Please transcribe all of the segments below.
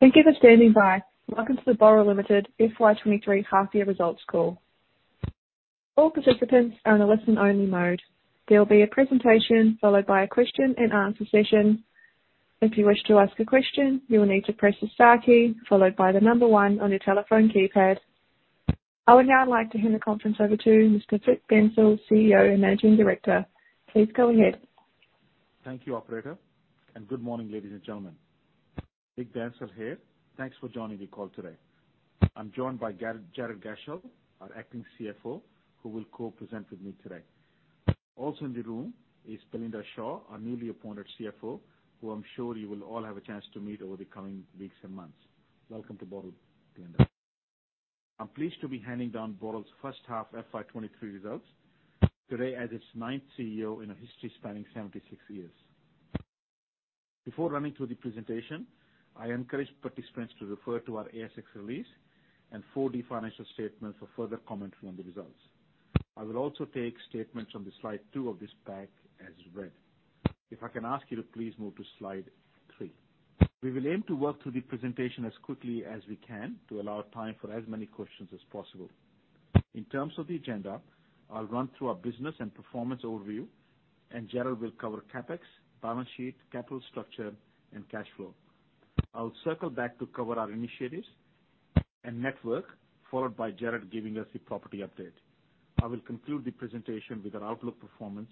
Thank you for standing by. Welcome to the Boral Limited FY23 half year results call. All participants are in a listen-only mode. There will be a presentation followed by a question-and-answer session. If you wish to ask a question, you will need to press the star key followed by one on your telephone keypad. I would now like to hand the conference over to Mr. Vik Bansal, CEO and Managing Director. Please go ahead. Thank you, operator. Good morning, ladies and gentlemen. Vik Bansal here. Thanks for joining the call today. I'm joined by Jared Gashel, our acting CFO, who will co-present with me today. Also in the room is Belinda Shaw, our newly appointed CFO, who I'm sure you will all have a chance to meet over the coming weeks and months. Welcome to Boral, Belinda. I'm pleased to be handing down Boral's first half FY 23 results today as its ninth CEO in a history spanning 76 years. Before running through the presentation, I encourage participants to refer to our ASX release and for the financial statement for further commentary on the results. I will also take statements on Slide 2 of this pack as read. I can ask you to please move to Slide 3. We will aim to work through the presentation as quickly as we can to allow time for as many questions as possible. In terms of the agenda, I'll run through our business and performance overview, and Jarrod will cover CapEx, balance sheet, capital structure, and cash flow. I'll circle back to cover our initiatives and network, followed by Jarrod giving us the property update. I will conclude the presentation with an outlook performance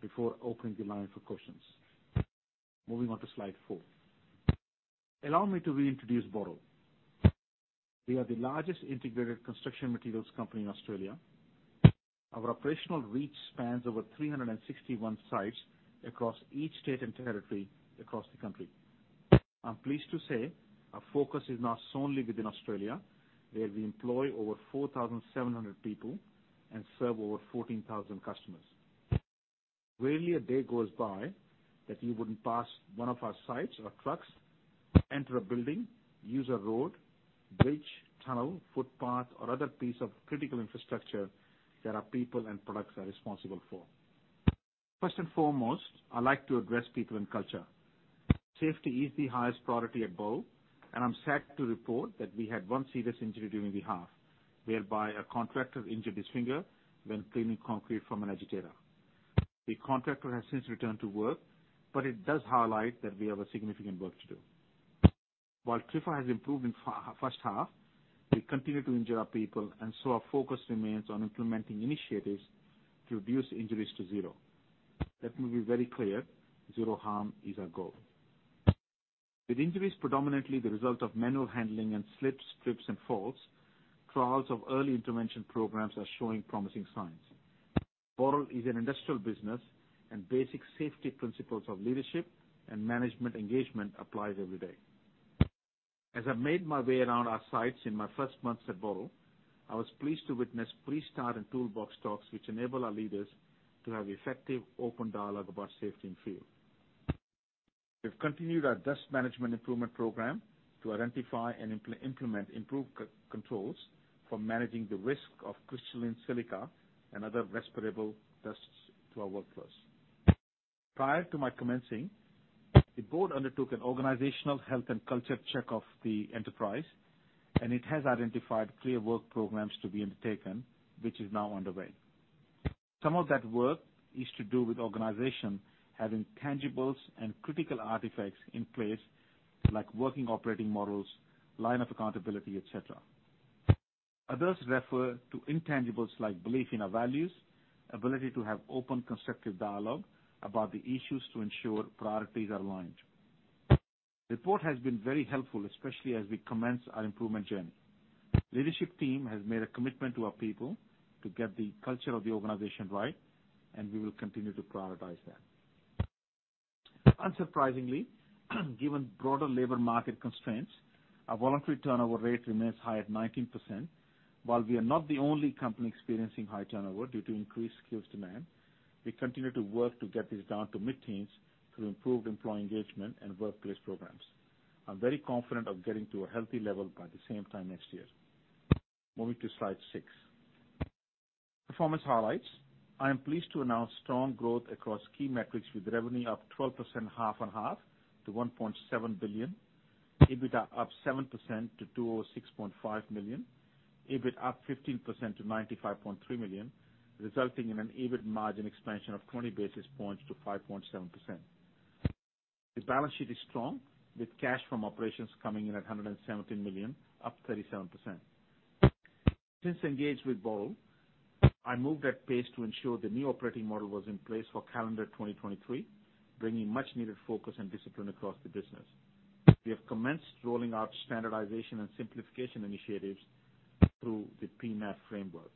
before opening the line for questions. Moving on to Slide 4. Allow me to reintroduce Boral. We are the largest integrated construction materials company in Australia. Our operational reach spans over 361 sites across each state and territory across the country. I'm pleased to say our focus is not solely within Australia, where we employ over 4,700 people and serve over 14,000 customers. Rarely a day goes by that you wouldn't pass one of our sites or trucks, enter a building, use a road, bridge, tunnel, footpath, or other piece of critical infrastructure that our people and products are responsible for. First and foremost, I like to address people and culture. Safety is the highest priority above, and I'm sad to report that we had one serious injury during the half, whereby a contractor injured his finger when cleaning concrete from an agitator. The contractor has since returned to work, but it does highlight that we have a significant work to do. While TRIFR has improved in first half, we continue to injure our people, and so our focus remains on implementing initiatives to reduce injuries to zero. Let me be very clear, zero harm is our goal. With injuries predominantly the result of manual handling and slips, trips, and falls, trials of early intervention programs are showing promising signs. Boral is an industrial business. Basic safety principles of leadership and management engagement applies every day. As I made my way around our sites in my first months at Boral, I was pleased to witness pre-start and toolbox talks which enable our leaders to have effective open dialogue about safety in the field. We've continued our dust management improvement program to identify and implement improved co-controls for managing the risk of crystalline silica and other respirable dusts to our workforce. Prior to my commencing, the board undertook an organizational health and culture check of the enterprise. It has identified clear work programs to be undertaken, which is now underway. Some of that work is to do with organization having tangibles and critical artifacts in place like working operating models, line of accountability, et cetera. Others refer to intangibles like belief in our values, ability to have open, constructive dialogue about the issues to ensure priorities are aligned. Report has been very helpful, especially as we commence our improvement journey. Leadership team has made a commitment to our people to get the culture of the organization right, and we will continue to prioritize that. Unsurprisingly, given broader labor market constraints, our voluntary turnover rate remains high at 19%. While we are not the only company experiencing high turnover due to increased skills demand, we continue to work to get this down to mid-teens through improved employee engagement and workplace programs. I'm very confident of getting to a healthy level by the same time next year. Moving to Slide 6. Performance highlights. I am pleased to announce strong growth across key metrics with revenue up 12% half-on-half to 1.7 billion. EBITDA up 7% to 206.5 million. EBIT up 15% to 95.3 million, resulting in an EBIT margin expansion of 20 basis points to 5.7%. The balance sheet is strong, with cash from operations coming in at 117 million, up 37%. Since engaged with Boral, I moved at pace to ensure the new operating model was in place for calendar 2023, bringing much-needed focus and discipline across the business. We have commenced rolling out standardization and simplification initiatives through the PEMAF framework.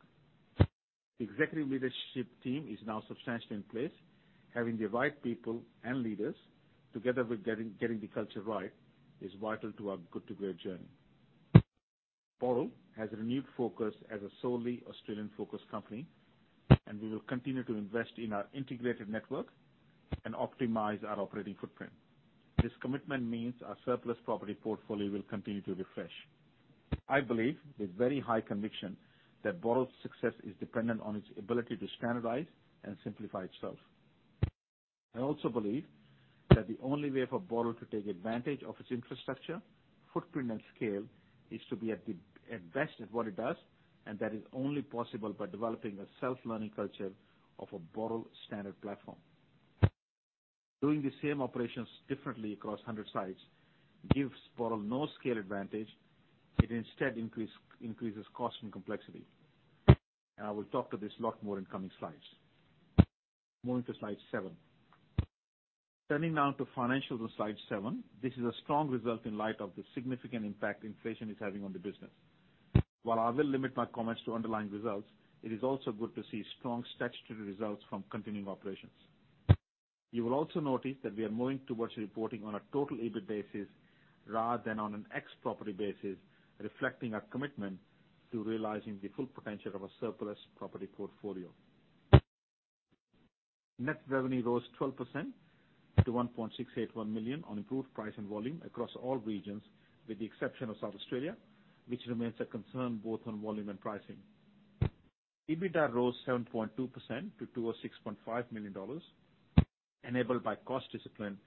The executive leadership team is now substantially in place. Having the right people and leaders, together with getting the culture right, is vital to our good to great journey. Boral has a renewed focus as a solely Australian-focused company, and we will continue to invest in our integrated network and optimize our operating footprint. This commitment means our surplus property portfolio will continue to refresh. I believe with very high conviction that Boral's success is dependent on its ability to standardize and simplify itself. I also believe that the only way for Boral to take advantage of its infrastructure, footprint, and scale is to be at best at what it does, and that is only possible by developing a self-learning culture of a Boral standard platform. Doing the same operations differently across 100 sites gives Boral no scale advantage. It instead increases cost and complexity. I will talk to this lot more in coming slides. Moving to Slide 7. Turning now to financials on Slide 7. This is a strong result in light of the significant impact inflation is having on the business. While I will limit my comments to underlying results, it is also good to see strong statutory results from continuing operations. You will also notice that we are moving towards reporting on a total EBIT basis rather than on an ex-property basis, reflecting our commitment to realizing the full potential of a surplus property portfolio. Net revenue rose 12% to 1.681 million on improved price and volume across all regions, with the exception of South Australia, which remains a concern both on volume and pricing. EBITDA rose 7.2% to 206.5 million dollars, enabled by cost discipline,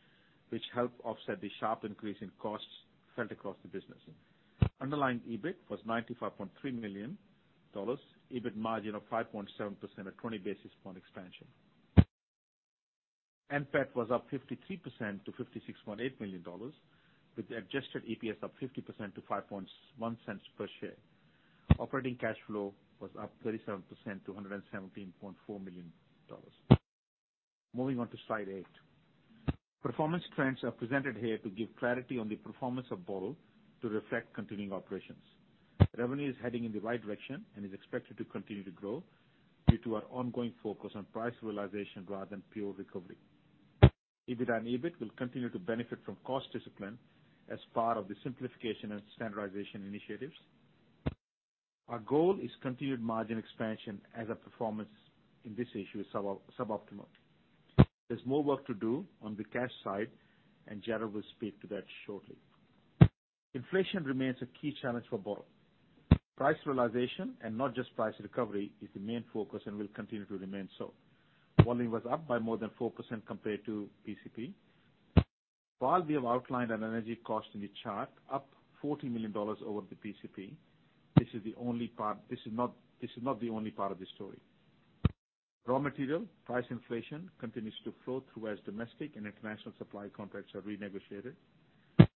which helped offset the sharp increase in costs felt across the business. Underlying EBIT was 95.3 million dollars. EBIT margin of 5.7% at 20 basis point expansion. NPAT was up 53% to 56.8 million dollars with the adjusted EPS up 50% to 0.051 per share. Operating cash flow was up 37% to 117.4 million dollars. Moving on to Slide 8. Performance trends are presented here to give clarity on the performance of Boral to reflect continuing operations. Revenue is heading in the right direction and is expected to continue to grow due to our ongoing focus on price realization rather than pure recovery. EBITDA and EBIT will continue to benefit from cost discipline as part of the simplification and standardization initiatives. Our goal is continued margin expansion as our performance in this issue is suboptimal. There's more work to do on the cash side. Jared will speak to that shortly. Inflation remains a key challenge for Boral. Price realization and not just price recovery is the main focus and will continue to remain so. Volume was up by more than 4% compared to PCP. We have outlined an energy cost in the chart up 40 million dollars over the PCP, this is not the only part of the story. Raw material price inflation continues to flow through as domestic and international supply contracts are renegotiated.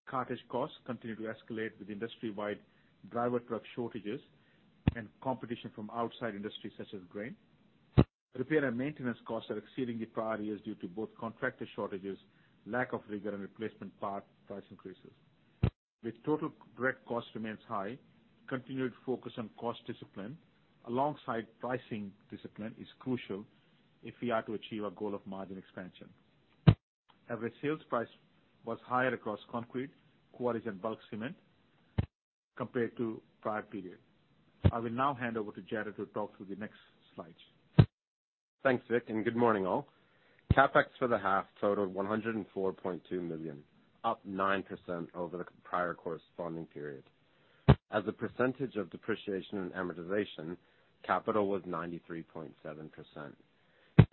Cartage costs continue to escalate with industry-wide driver truck shortages and competition from outside industries such as grain. Repair and maintenance costs are exceeding the prior years due to both contractor shortages, lack of rigor, and replacement part price increases. With total direct cost remains high, continued focus on cost discipline alongside pricing discipline is crucial if we are to achieve our goal of margin expansion. Average sales price was higher across concrete, quarries, and bulk cement compared to prior period. I will now hand over to Jared to talk through the next slides. Thanks, Vik. Good morning, all. CapEx for the half totaled 104.2 million, up 9% over the prior corresponding period. As a percentage of depreciation and amortization, capital was 93.7%,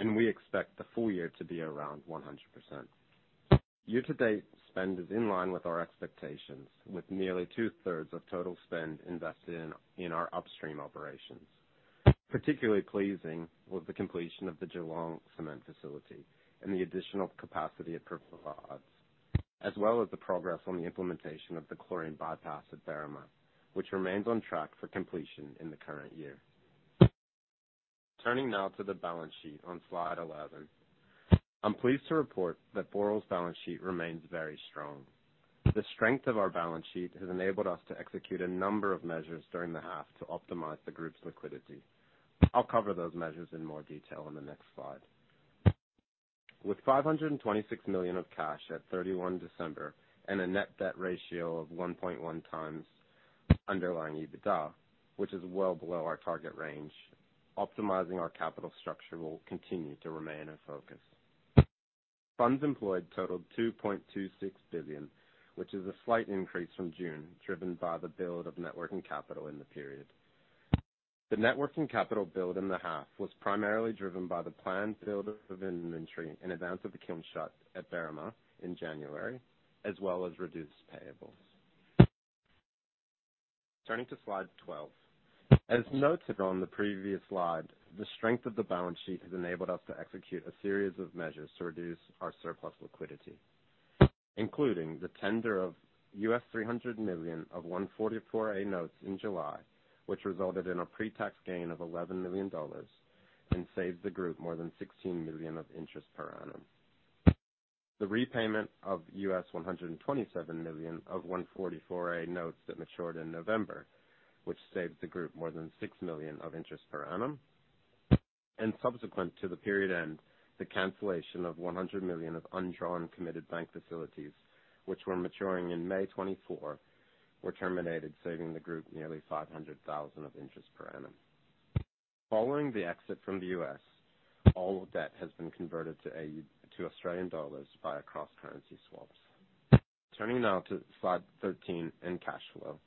and we expect the full year to be around 100%. Year to date, spend is in line with our expectations, with nearly two-thirds of total spend invested in our upstream operations. Particularly pleasing was the completion of the Geelong cement facility and the additional capacity it provides, as well as the progress on the implementation of the Chlorine Bypass at Berrima, which remains on track for completion in the current year. Turning now to the balance sheet on Slide 11. I'm pleased to report that Boral's balance sheet remains very strong. The strength of our balance sheet has enabled us to execute a number of measures during the half to optimize the group's liquidity. I'll cover those measures in more detail in the next slide. With 526 million of cash at 31 December and a net debt ratio of 1.1 times underlying EBITDA, which is well below our target range, optimizing our capital structure will continue to remain a focus. Funds employed totaled 2.26 billion, which is a slight increase from June, driven by the build of net working capital in the period. The net working capital build in the half was primarily driven by the planned build of inventory in advance of the kiln shut at Berrima in January, as well as reduced payables. Turning to Slide 12. As noted on the previous slide, the strength of the balance sheet has enabled us to execute a series of measures to reduce our surplus liquidity, including the tender of 300 million of 144A notes in July, which resulted in a pre-tax gain of $11 million and saved the group more than $16 million of interest per annum. The repayment of 127 million of 144A notes that matured in November, which saved the group more than $6 million of interest per annum. Subsequent to the period end, the cancellation of 100 million of undrawn committed bank facilities, which were maturing in May 2024, were terminated, saving the group nearly 500,000 of interest per annum. Following the exit from the US, all debt has been converted to Australian dollars via Cross Currency Swaps. Turning now to Slide 13 in cash flow.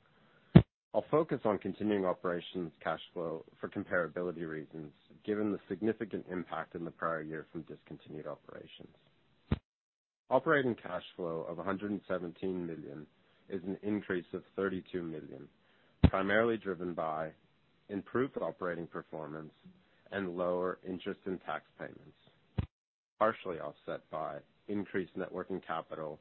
I'll focus on continuing operations cash flow for comparability reasons, given the significant impact in the prior year from discontinued operations. Operating cash flow of 117 million is an increase of 32 million, primarily driven by improved operating performance and lower interest in tax payments, partially offset by increased net working capital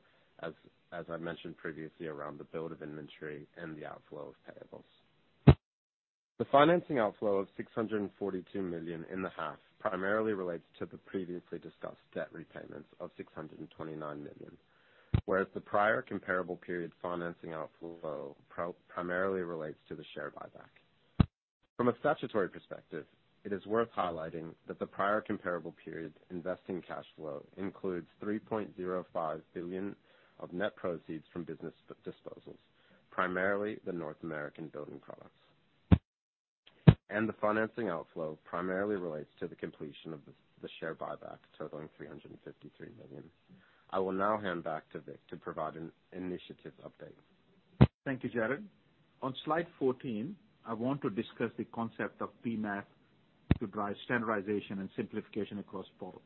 as I mentioned previously, around the build of inventory and the outflow of payables. The financing outflow of 642 million in the half primarily relates to the previously discussed debt repayments of 629 million. The prior comparable period financing outflow primarily relates to the share buyback. From a statutory perspective, it is worth highlighting that the prior comparable period investing cash flow includes 3.05 billion of net proceeds from business disposals, primarily the North American building products. The financing outflow primarily relates to the completion of the share buyback, totaling 353 million. I will now hand back to Vik to provide an initiative update. Thank you, Jared. On Slide 14, I want to discuss the concept of PEMAF to drive standardization and simplification across Boral.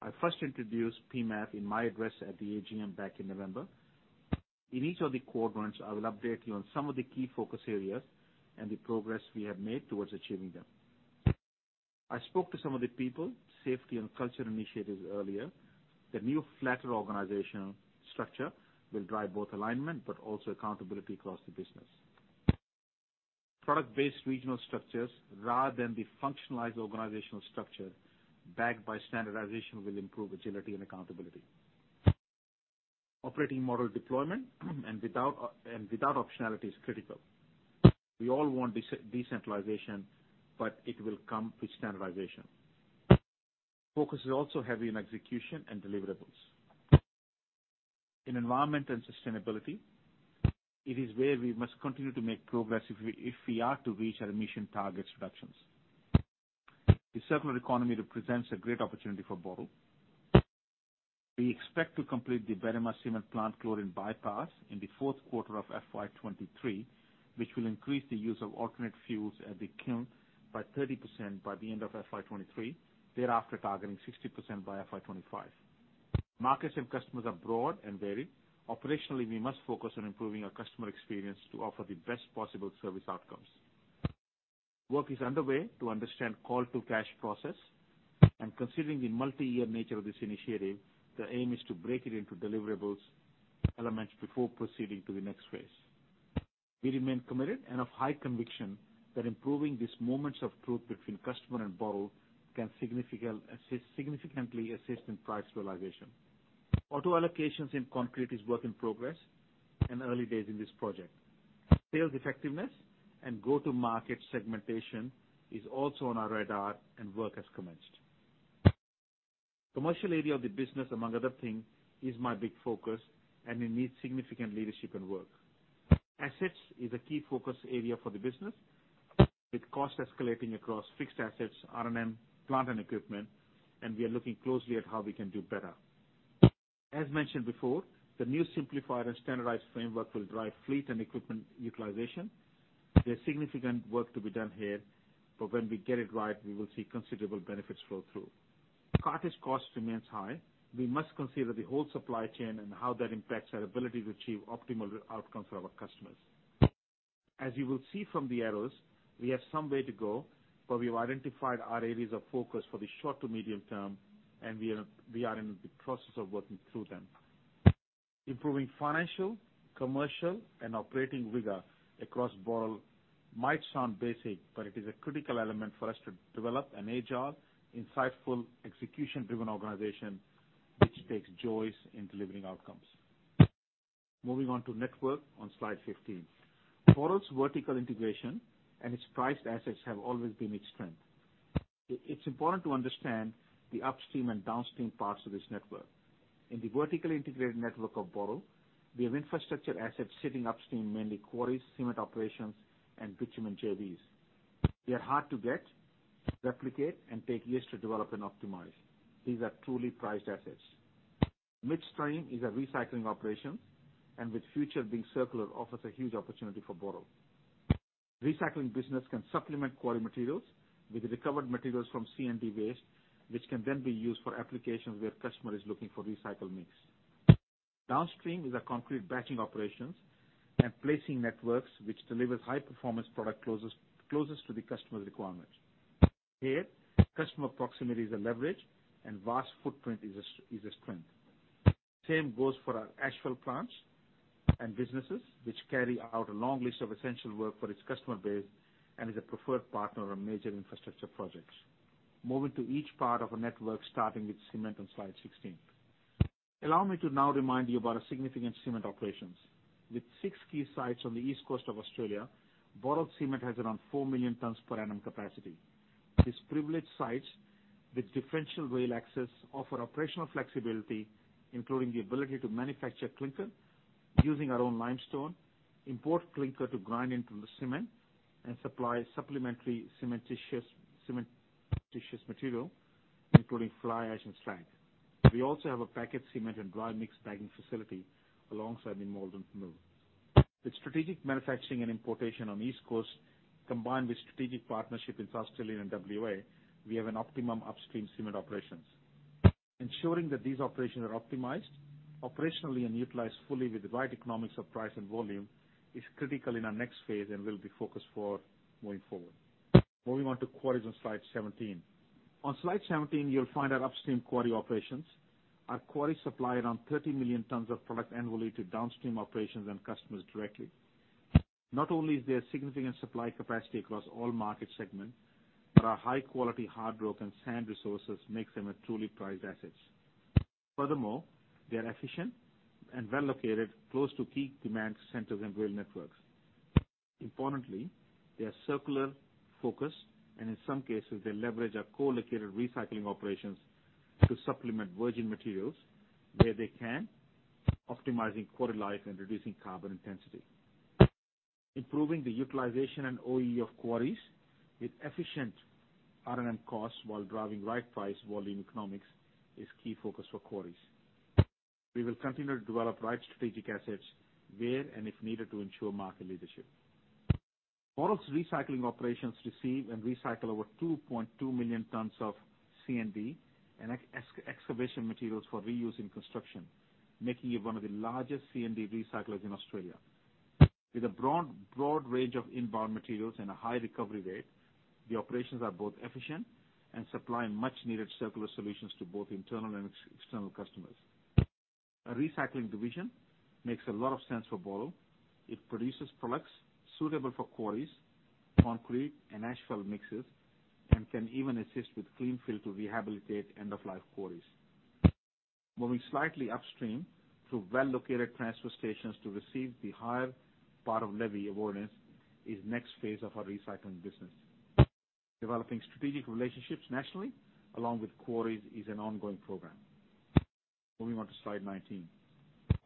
I first introduced PEMAF in my address at the AGM back in November. In each of the quadrants, I will update you on some of the key focus areas and the progress we have made towards achieving them. I spoke to some of the people, safety and culture initiatives earlier. The new flatter organizational structure will drive both alignment but also accountability across the business. Product-based regional structures rather than the functionalized organizational structure backed by standardization will improve agility and accountability. Operating model deployment and without optionality is critical. We all want decentralization, but it will come with standardization. Focus is also heavy on execution and deliverables. In environment and sustainability, it is where we must continue to make progress if we are to reach our emission targets reductions. The circular economy represents a great opportunity for Boral. We expect to complete the Berrima Cement Plant Chlorine Bypass in the Q4 of FY 23, which will increase the use of alternate fuels at the kiln by 30% by the end of FY 23, thereafter targeting 60% by FY 25. Markets and customers are broad and varied. Operationally, we must focus on improving our customer experience to offer the best possible service outcomes. Work is underway to understand call to cash process and considering the multi-year nature of this initiative, the aim is to break it into deliverables elements before proceeding to the next phase. We remain committed and of high conviction that improving these moments of truth between customer and Boral can significantly assist in price realization. Auto allocations in concrete is work in progress and early days in this project. Sales effectiveness and go-to-market segmentation is also on our radar and work has commenced. Commercial area of the business, among other thing, is my big focus and it needs significant leadership and work. Assets is a key focus area for the business, with cost escalating across fixed assets, R&M, plant and equipment, and we are looking closely at how we can do better. As mentioned before, the new simplified and standardized framework will drive fleet and equipment utilization. There's significant work to be done here. When we get it right, we will see considerable benefits flow through. Cartage cost remains high. We must consider the whole supply chain and how that impacts our ability to achieve optimal outcomes for our customers. As you will see from the arrows, we have some way to go. We've identified our areas of focus for the short to medium term. We are in the process of working through them. Improving financial, commercial, and operating rigor across Boral might sound basic. It is a critical element for us to develop an agile, insightful, execution-driven organization which takes joy in delivering outcomes. Moving on to network on Slide 15. Boral's vertical integration and its priced assets have always been its strength. It's important to understand the upstream and downstream parts of this network. In the vertically integrated network of Boral, we have infrastructure assets sitting upstream, mainly quarries, cement operations, and bitumen JVs. They are hard to get, replicate, and take years to develop and optimize. These are truly prized assets. Midstream is a recycling operation, and with future being circular offers a huge opportunity for Boral. Recycling business can supplement quarry materials with the recovered materials from C&D waste, which can then be used for applications where customer is looking for recycled mix. Downstream is a concrete batching operations and placing networks which delivers high performance product closest to the customer's requirement. Here, customer proximity is a leverage and vast footprint is a strength. Same goes for our asphalt plants and businesses which carry out a long list of essential work for its customer base and is a preferred partner on major infrastructure projects. Moving to each part of a network, starting with cement on Slide 16. Allow me to now remind you about our significant cement operations. With six key sites on the East Coast of Australia, Boral Cement has around 4 million tons per annum capacity. These privileged sites with differential rail access offer operational flexibility, including the ability to manufacture clinker using our own limestone, import clinker to grind into the cement and supply supplementary cementitious material, including fly ash and slag. We also have a packet cement and dry mix bagging facility alongside the Maldon mill. With strategic manufacturing and importation on the East Coast, combined with strategic partnership in South Australia and WA, we have an optimum upstream cement operations. Ensuring that these operations are optimized operationally and utilized fully with the right economics of price and volume is critical in our next phase and will be focused for moving forward. Moving on to quarries on Slide 17. On Slide 17, you'll find our upstream quarry operations. Our quarries supply around 30 million tons of product annually to downstream operations and customers directly. Not only is there significant supply capacity across all market segments, but our high-quality hard rock and sand resources makes them a truly prized assets. Furthermore, they are efficient and well located close to key demand centers and rail networks. Importantly, they are circular focused, and in some cases they leverage our co-located recycling operations to supplement virgin materials where they can, optimizing quarry life and reducing carbon intensity. Improving the utilization and OEE of quarries with efficient R&M costs while driving right price volume economics is key focus for quarries. We will continue to develop right strategic assets where and if needed to ensure market leadership. Boral's recycling operations receive and recycle over 2.2 million tons of C&D and excavation materials for reuse in construction, making it one of the largest C&D recyclers in Australia. With a broad range of inbound materials and a high recovery rate, the operations are both efficient and supplying much-needed circular solutions to both internal and external customers. A recycling division makes a lot of sense for Boral. It produces products suitable for quarries, concrete and asphalt mixes, and can even assist with clean fill to rehabilitate end-of-life quarries. Moving slightly upstream through well-located transfer stations to receive the higher part of levy award is next phase of our recycling business. Developing strategic relationships nationally along with quarries is an ongoing program. Moving on to Slide 19.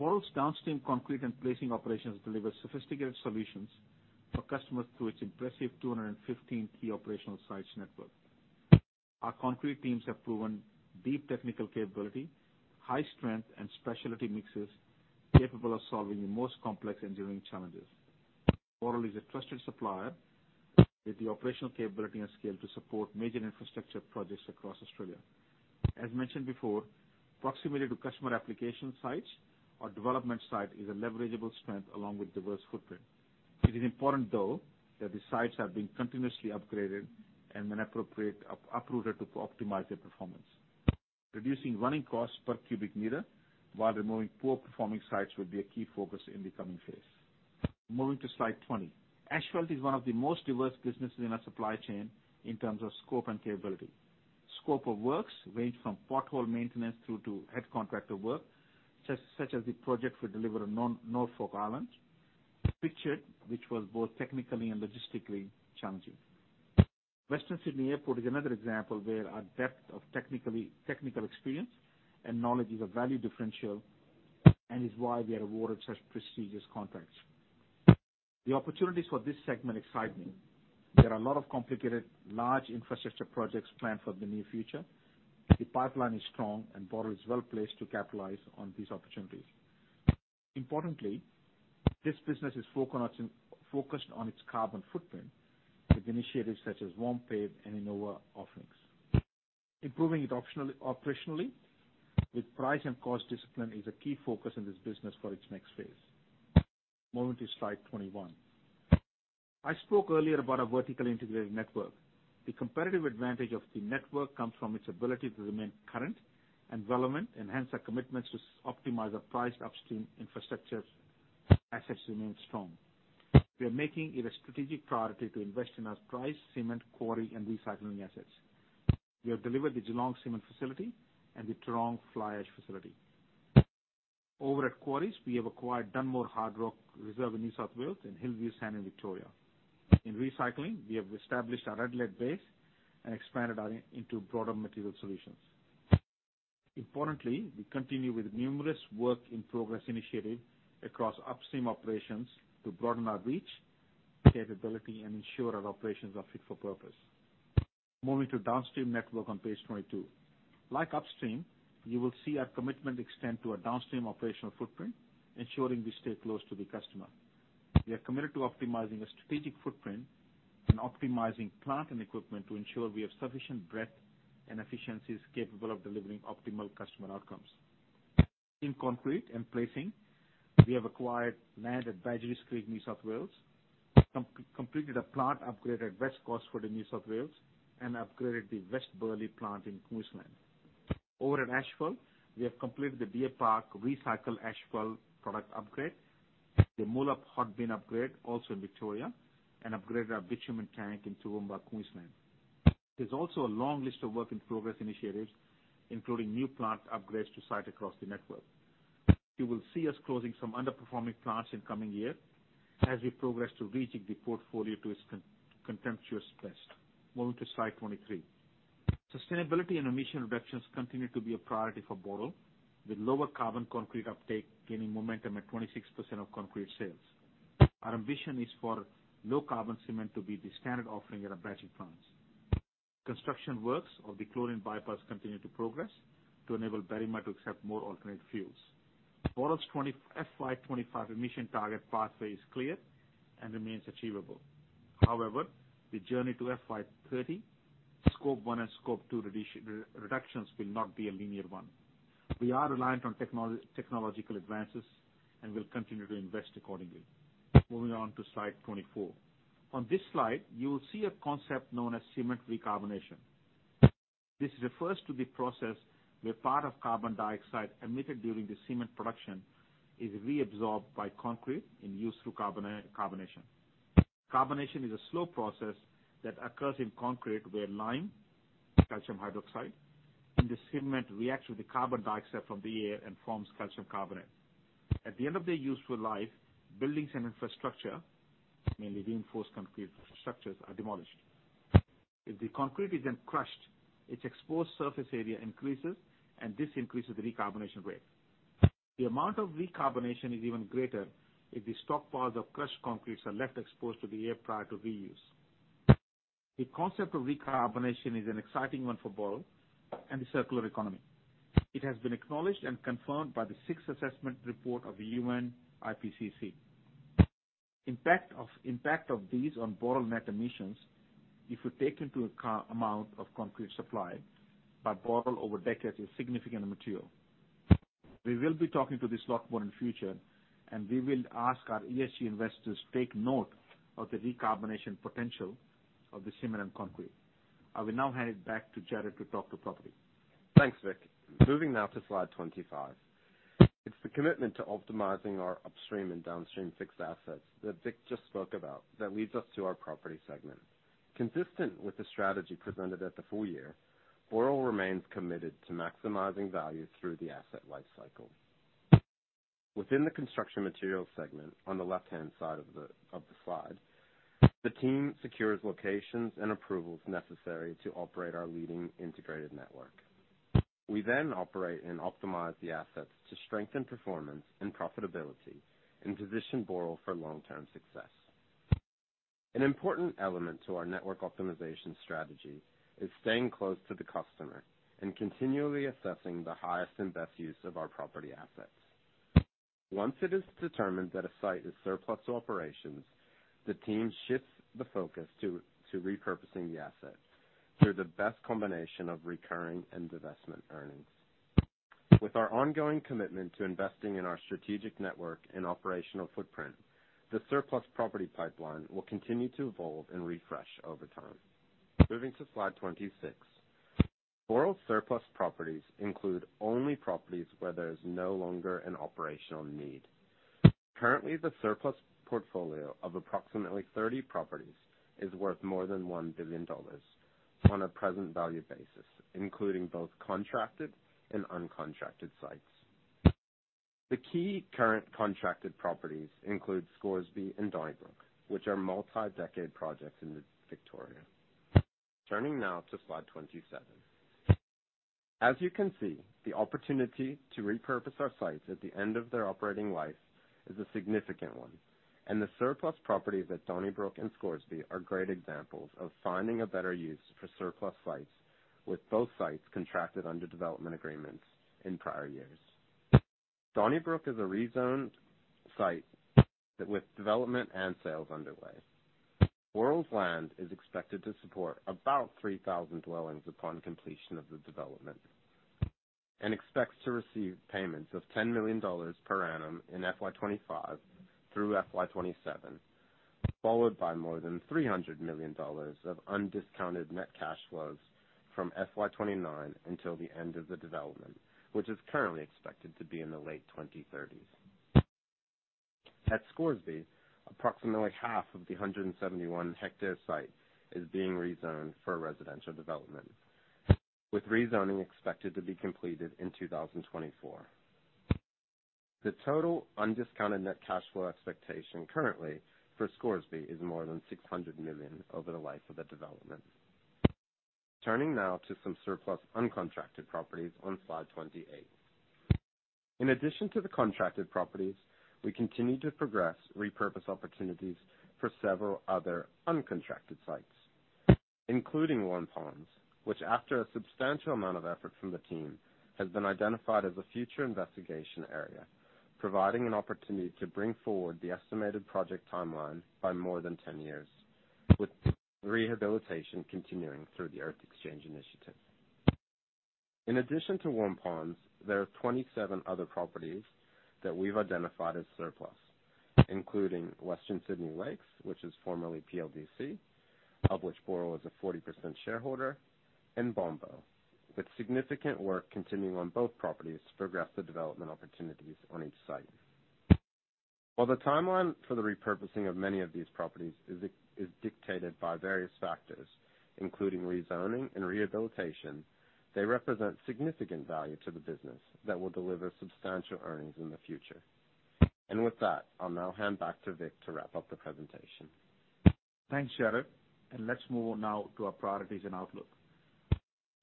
Boral's downstream concrete and placing operations deliver sophisticated solutions for customers through its impressive 215 key operational sites network. Our concrete teams have proven deep technical capability, high strength and specialty mixes capable of solving the most complex engineering challenges. Boral is a trusted supplier with the operational capability and scale to support major infrastructure projects across Australia. As mentioned before, proximity to customer application sites or development site is a leverageable strength along with diverse footprint. It is important, though, that the sites are being continuously upgraded and when appropriate, uprooted to optimize their performance. Reducing running costs per cubic meter while removing poor performing sites will be a key focus in the coming phase. Moving to Slide 20. Asphalt is one of the most diverse businesses in our supply chain in terms of scope and capability. Scope of works range from pothole maintenance through to head contractor work, such as the project we deliver on Norfolk Island, pictured, which was both technically and logistically challenging. Western Sydney Airport is another example where our depth of technical experience and knowledge is a value differential and is why we are awarded such prestigious contracts. The opportunities for this segment excite me. There are a lot of complicated, large infrastructure projects planned for the near future. The pipeline is strong. Boral is well-placed to capitalize on these opportunities. Importantly, this business is focused on its carbon footprint with initiatives such as Warmpave and INNOVO offerings. Improving it operationally with price and cost discipline is a key focus in this business for its next phase. Moving to Slide 21. I spoke earlier about a vertically integrated network. The competitive advantage of the network comes from its ability to remain current and relevant, hence our commitments to optimize our price upstream infrastructure assets remain strong. We are making it a strategic priority to invest in our price, cement, quarry and recycling assets. We have delivered the Geelong Cement facility and the Tarong Fly Ash facility. Over at Quarries, we have acquired Dunmore Hard Rock Reserve in New South Wales and Hillview Sands in Victoria. In Recycling, we have established our Adelaide base and expanded into broader material solutions. Importantly, we continue with numerous work-in-progress initiatives across upstream operations to broaden our reach, capability, and ensure our operations are fit for purpose. Moving to downstream network on page 22. Like upstream, you will see our commitment extend to our downstream operational footprint, ensuring we stay close to the customer. We are committed to optimizing a strategic footprint and optimizing plant and equipment to ensure we have sufficient breadth and efficiencies capable of delivering optimal customer outcomes. In Concrete and Placing, we have acquired land at Badgerys Creek, New South Wales, completed a plant upgrade at West Gosford, New South Wales, and upgraded the West Burleigh plant in Queensland. At Asphalt, we have completed the Deer Park recycle asphalt product upgrade, the Moolap hot bin upgrade also in Victoria, and upgraded our bitumen tank in Toowoomba, Queensland. There's also a long list of work in progress initiatives, including new plant upgrades to site across the network. You will see us closing some underperforming plants in coming year. As we progress to reaching the portfolio to its contemptuous best. Moving to Slide 23. Sustainability and emission reductions continue to be a priority for Boral, with lower carbon concrete uptake gaining momentum at 26% of concrete sales. Our ambition is for low carbon cement to be the standard offering at our batching plants. Construction works of the chlorine bypass continue to progress to enable Berrima to accept more alternate fuels. Boral's FY 25 emission target pathway is clear and remains achievable. The journey to FY 30, Scope 1 and Scope 2 reductions will not be a linear one. We are reliant on technological advances and will continue to invest accordingly. Moving on to Slide 24. On this slide, you will see a concept known as cement recarbonation. This refers to the process where part of carbon dioxide emitted during the cement production is reabsorbed by concrete and used through carbonation. Carbonation is a slow process that occurs in concrete where lime, calcium hydroxide, and the cement reacts with the carbon dioxide from the air and forms calcium carbonate. At the end of their useful life, buildings and infrastructure, mainly reinforced concrete structures, are demolished. If the concrete is then crushed, its exposed surface area increases, and this increases the recarbonation rate. The amount of recarbonation is even greater if the stockpiles of crushed concretes are left exposed to the air prior to reuse. The concept of recarbonation is an exciting one for Boral and the circular economy. It has been acknowledged and confirmed by the sixth assessment report of the UN IPCC. Impact of these on Boral net emissions, if you take into account amount of concrete supplied by Boral over decades is significant material. We will be talking to this lot more in future, and we will ask our ESG investors to take note of the recarbonation potential of the cement and concrete. I will now hand it back to Jared to talk to property. Thanks, Vik. Moving now to Slide 25. It's the commitment to optimizing our upstream and downstream fixed assets that Vik just spoke about that leads us to our property segment. Consistent with the strategy presented at the full year, Boral remains committed to maximizing value through the asset life cycle. Within the construction materials segment, on the left-hand side of the slide, the team secures locations and approvals necessary to operate our leading integrated network. We then operate and optimize the assets to strengthen performance and profitability and position Boral for long-term success. An important element to our network optimization strategy is staying close to the customer and continually assessing the highest and best use of our property assets. Once it is determined that a site is surplus to operations, the team shifts the focus to repurposing the asset through the best combination of recurring and divestment earnings. With our ongoing commitment to investing in our strategic network and operational footprint, the surplus property pipeline will continue to evolve and refresh over time. Moving to Slide 26. Boral surplus properties include only properties where there is no longer an operational need. Currently, the surplus portfolio of approximately 30 properties is worth more than 1 billion dollars on a present value basis, including both contracted and uncontracted sites. The key current contracted properties include Scoresby and Donnybrook, which are multi-decade projects in Victoria. Turning now to Slide 27. As you can see, the opportunity to repurpose our sites at the end of their operating life is a significant one. The surplus properties at Donnybrook and Scoresby are great examples of finding a better use for surplus sites, with both sites contracted under development agreements in prior years. Donnybrook is a rezoned site that with development and sales underway. Boral's land is expected to support about 3,000 dwellings upon completion of the development. Expects to receive payments of 10 million dollars per annum in FY 25 through FY 27, followed by more than 300 million dollars of undiscounted net cash flows from FY 29 until the end of the development, which is currently expected to be in the late 2030s. At Scoresby, approximately half of the 171 hectare site is being rezoned for residential development, with rezoning expected to be completed in 2024. The total undiscounted net cash flow expectation currently for Scoresby is more than 600 million over the life of the development. Turning now to some surplus uncontracted properties on Slide 28. In addition to the contracted properties, we continue to progress repurpose opportunities for several other uncontracted sites, including Waurn Ponds, which, after a substantial amount of effort from the team, has been identified as a future investigation area, providing an opportunity to bring forward the estimated project timeline by more than 10 years, with rehabilitation continuing through the Earth Exchange initiative. In addition to Waurn Ponds, there are 27 other properties that we've identified as surplus, including Western Sydney Lakes, which is formerly PLDC, of which Boral is a 40% shareholder, and Bombo, with significant work continuing on both properties to progress the development opportunities on each site. While the timeline for the repurposing of many of these properties is dictated by various factors, including rezoning and rehabilitation. They represent significant value to the business that will deliver substantial earnings in the future. With that, I'll now hand back to Vik to wrap up the presentation. Thanks, Jared, Let's move on now to our priorities and outlook.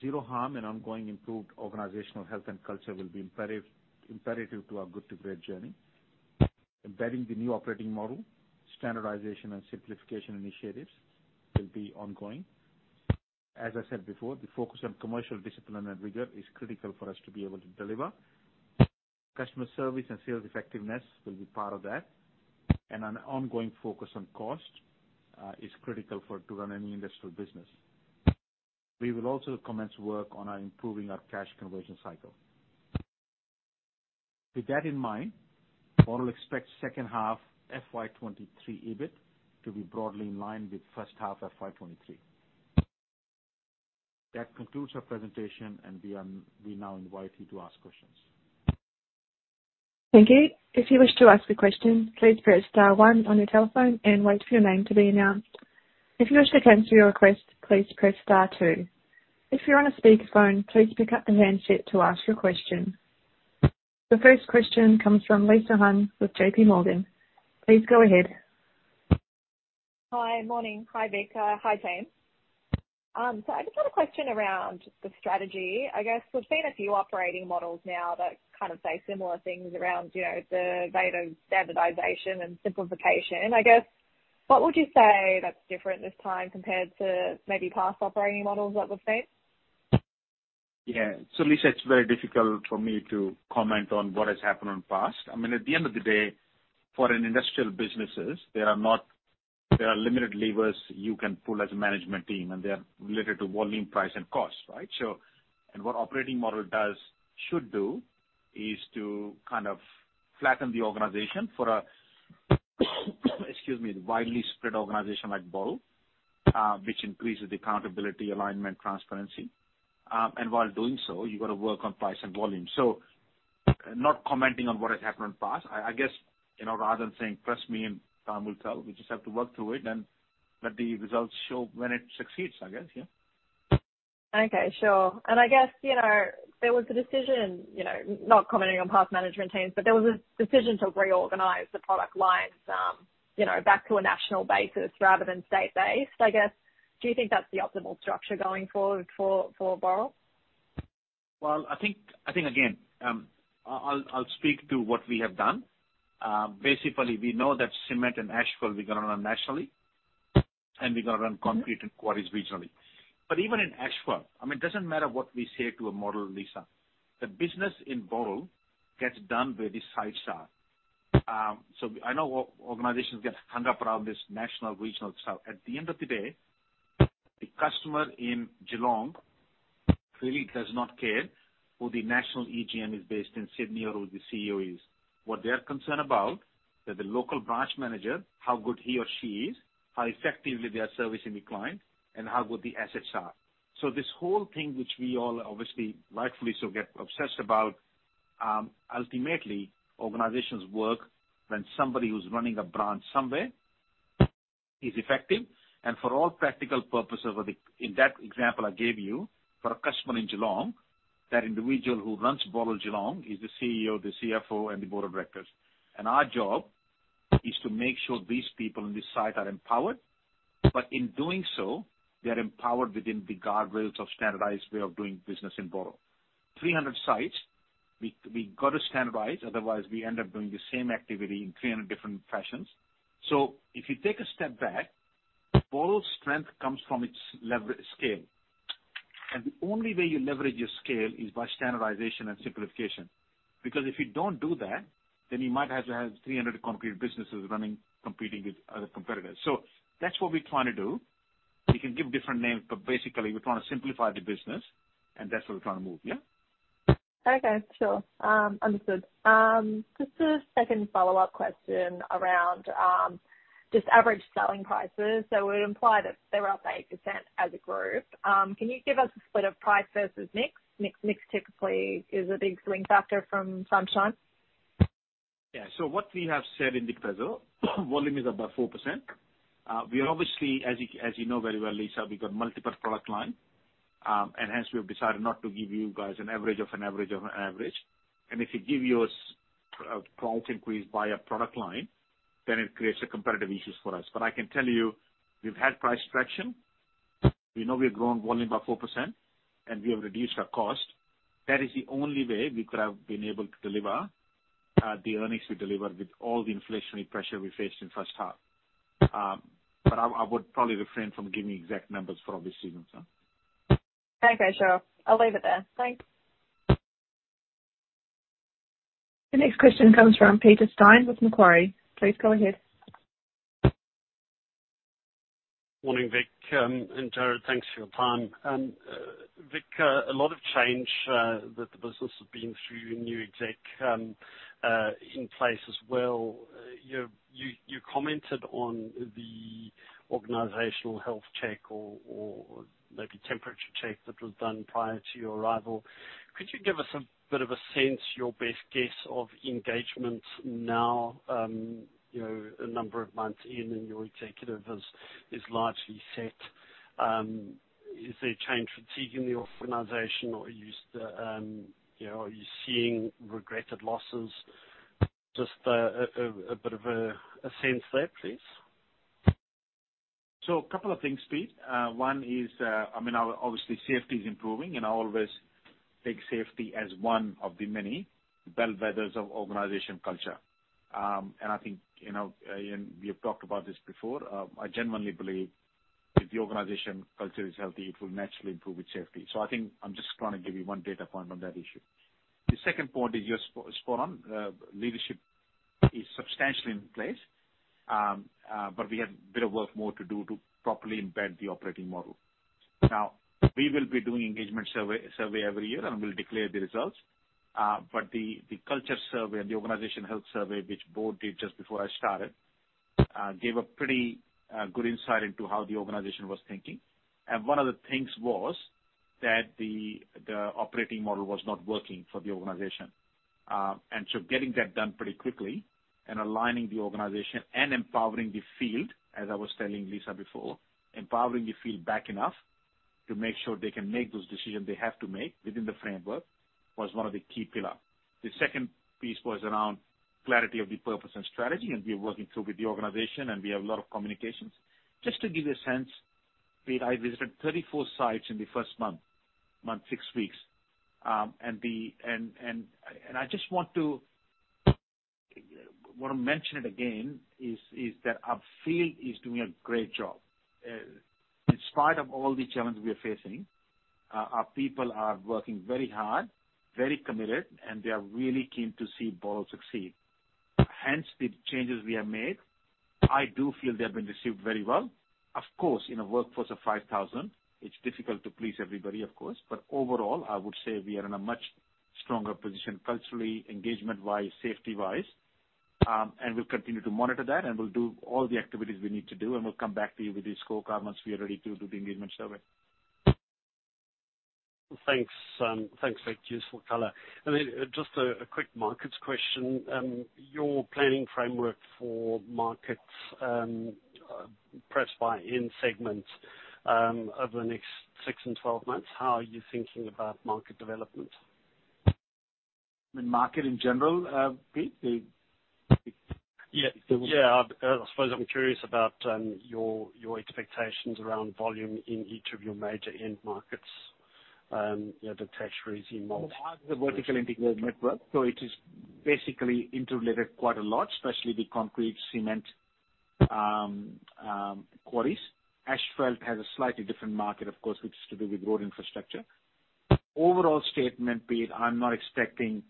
Zero harm and ongoing improved organizational health and culture will be imperative to our good to great journey. Embedding the new operating model, standardization and simplification initiatives will be ongoing. As I said before, the focus on commercial discipline and rigor is critical for us to be able to deliver. Customer service and sales effectiveness will be part of that, and an ongoing focus on cost is critical to run any industrial business. We will also commence work on improving our cash conversion cycle. With that in mind, Boral expects second half FY23 EBIT to be broadly in line with first half FY23. That concludes our presentation, and we now invite you to ask questions. Thank you. If you wish to ask a question, please press star one on your telephone and wait for your name to be announced. If you wish to cancel your request, please press star two. If you're on a speakerphone, please pick up the handset to ask your question. The first question comes from Lisa Huynh with JPMorgan. Please go ahead. Hi. Morning. Hi, Vik. Hi, team. I just have a question around the strategy. I guess we've seen a few operating models now that kind of say similar things around, you know, the data standardization and simplification. I guess, what would you say that's different this time compared to maybe past operating models that we've seen? Yeah. Lisa, it's very difficult for me to comment on what has happened in past. I mean, at the end of the day, for an industrial businesses, there are limited levers you can pull as a management team, and they are related to volume, price, and cost, right? What operating model should do is to kind of flatten the organization for a, excuse me, widely spread organization like Boral, which increases accountability, alignment, transparency. While doing so, you gotta work on price and volume. Not commenting on what has happened in past. I guess, you know, rather than saying trust me and time will tell, we just have to work through it and let the results show when it succeeds, I guess. Yeah. Okay. Sure. I guess, you know, there was a decision, you know, not commenting on past management teams, but there was a decision to reorganize the product lines, you know, back to a national basis rather than state-based. I guess, do you think that's the optimal structure going forward for Boral? I think, again, I'll speak to what we have done. Basically, we know that cement and asphalt we're going to run nationally, and we're going to run concrete and quarries regionally. Even in asphalt, I mean, it doesn't matter what we say to a model, Lisa. The business in Boral gets done where the sites are. I know organizations get hung up around this national/regional stuff. At the end of the day, the customer in Geelong really does not care who the national AGM is based in Sydney or who the CEO is. What they're concerned about, that the local branch manager, how good he or she is, how effectively they are servicing the client, and how good the assets are. This whole thing, which we all obviously rightfully so get obsessed about, ultimately organizations work when somebody who's running a branch somewhere is effective. For all practical purposes in that example I gave you, for a customer in Geelong, that individual who runs Boral Geelong is the CEO, the CFO, and the board of directors. Our job is to make sure these people in this site are empowered. In doing so, they are empowered within the guardrails of standardized way of doing business in Boral. 300 sites, we gotta standardize, otherwise we end up doing the same activity in 300 different fashions. If you take a step back, Boral's strength comes from its scale. The only way you leverage your scale is by standardization and simplification. If you don't do that, then you might have to have 300 concrete businesses running, competing with other competitors. That's what we're trying to do. We can give different names, but basically we're trying to simplify the business, and that's where we're trying to move. Yeah. Okay. Sure. Understood. Just a second follow-up question around just average selling prices. It would imply that they're up 8% as a group. Can you give us a split of price versus mix? Mix typically is a big swing factor from Sunshine. Yeah. What we have said in the presentation, volume is up by 4%. We are obviously, as you, as you know very well, Lisa, we've got multiple product line, and hence we have decided not to give you guys an average of an average of an average. If we give you a price increase by a product line, then it creates a competitive issues for us. I can tell you, we've had price traction. We know we've grown volume by 4%, and we have reduced our cost. That is the only way we could have been able to deliver the earnings we delivered with all the inflationary pressure we faced in first half. I would probably refrain from giving exact numbers for obvious reasons. Yeah. Okay. Sure. I'll leave it there. Thanks. The next question comes from Peter Steyn with Macquarie. Please go ahead. Morning, Vik, and Jared. Thanks for your time. Vik, a lot of change that the business has been through, a new exec in place as well. You commented on the organizational health check or maybe temperature check that was done prior to your arrival. Could you give us a bit of a sense, your best guess of engagement now, you know, a number of months in and your executive is largely set? Is there change fatigue in the organization or are you still, you know, are you seeing regretted losses? Just a bit of a sense there, please. A couple of things, Pete. One is, I mean, our obviously safety is improving, and I always take safety as one of the many bellwethers of organization culture. I think, you know, and we have talked about this before, I genuinely believe if the organization culture is healthy, it will naturally improve with safety. I think I'm just trying to give you one data point on that issue. The second point is your spot on, leadership is substantially in place. We have a bit of work more to do to properly embed the operating model. We will be doing engagement survey every year, and we'll declare the results. The culture survey and the organization health survey, which Boral did just before I started, gave a pretty good insight into how the organization was thinking. One of the things was that the operating model was not working for the organization. So getting that done pretty quickly and aligning the organization and empowering the field, as I was telling Lisa before, empowering the field back enough to make sure they can make those decisions they have to make within the framework was one of the key pillar. The second piece was around clarity of the purpose and strategy, we are working through with the organization, we have a lot of communications. Just to give you a sense, Pete, I visited 34 sites in the first month, 6 weeks. The... I just wanna mention it again is that our field is doing a great job. In spite of all the challenges we are facing, our people are working very hard, very committed, and they are really keen to see Boral succeed. Hence, the changes we have made, I do feel they have been received very well. Of course, in a workforce of 5,000, it's difficult to please everybody, of course. Overall, I would say we are in a much stronger position culturally, engagement-wise, safety-wise. We'll continue to monitor that, and we'll do all the activities we need to do, and we'll come back to you with the scorecard once we are ready to do the engagement survey. Thanks, thanks, Vik. Useful color. Then just a quick markets question. Your planning framework for markets, perhaps by end segment, over the next 6 and 12 months, how are you thinking about market development? The market in general, Pete? Yeah. Yeah. I suppose I'm curious about your expectations around volume in each of your major end markets, you know, detached, resi, multi. Part of the vertically integrated network, it is basically interrelated quite a lot, especially the concrete, cement, quarries. Asphalt has a slightly different market, of course, which is to do with road infrastructure. Overall statement, Pete, I'm not expecting.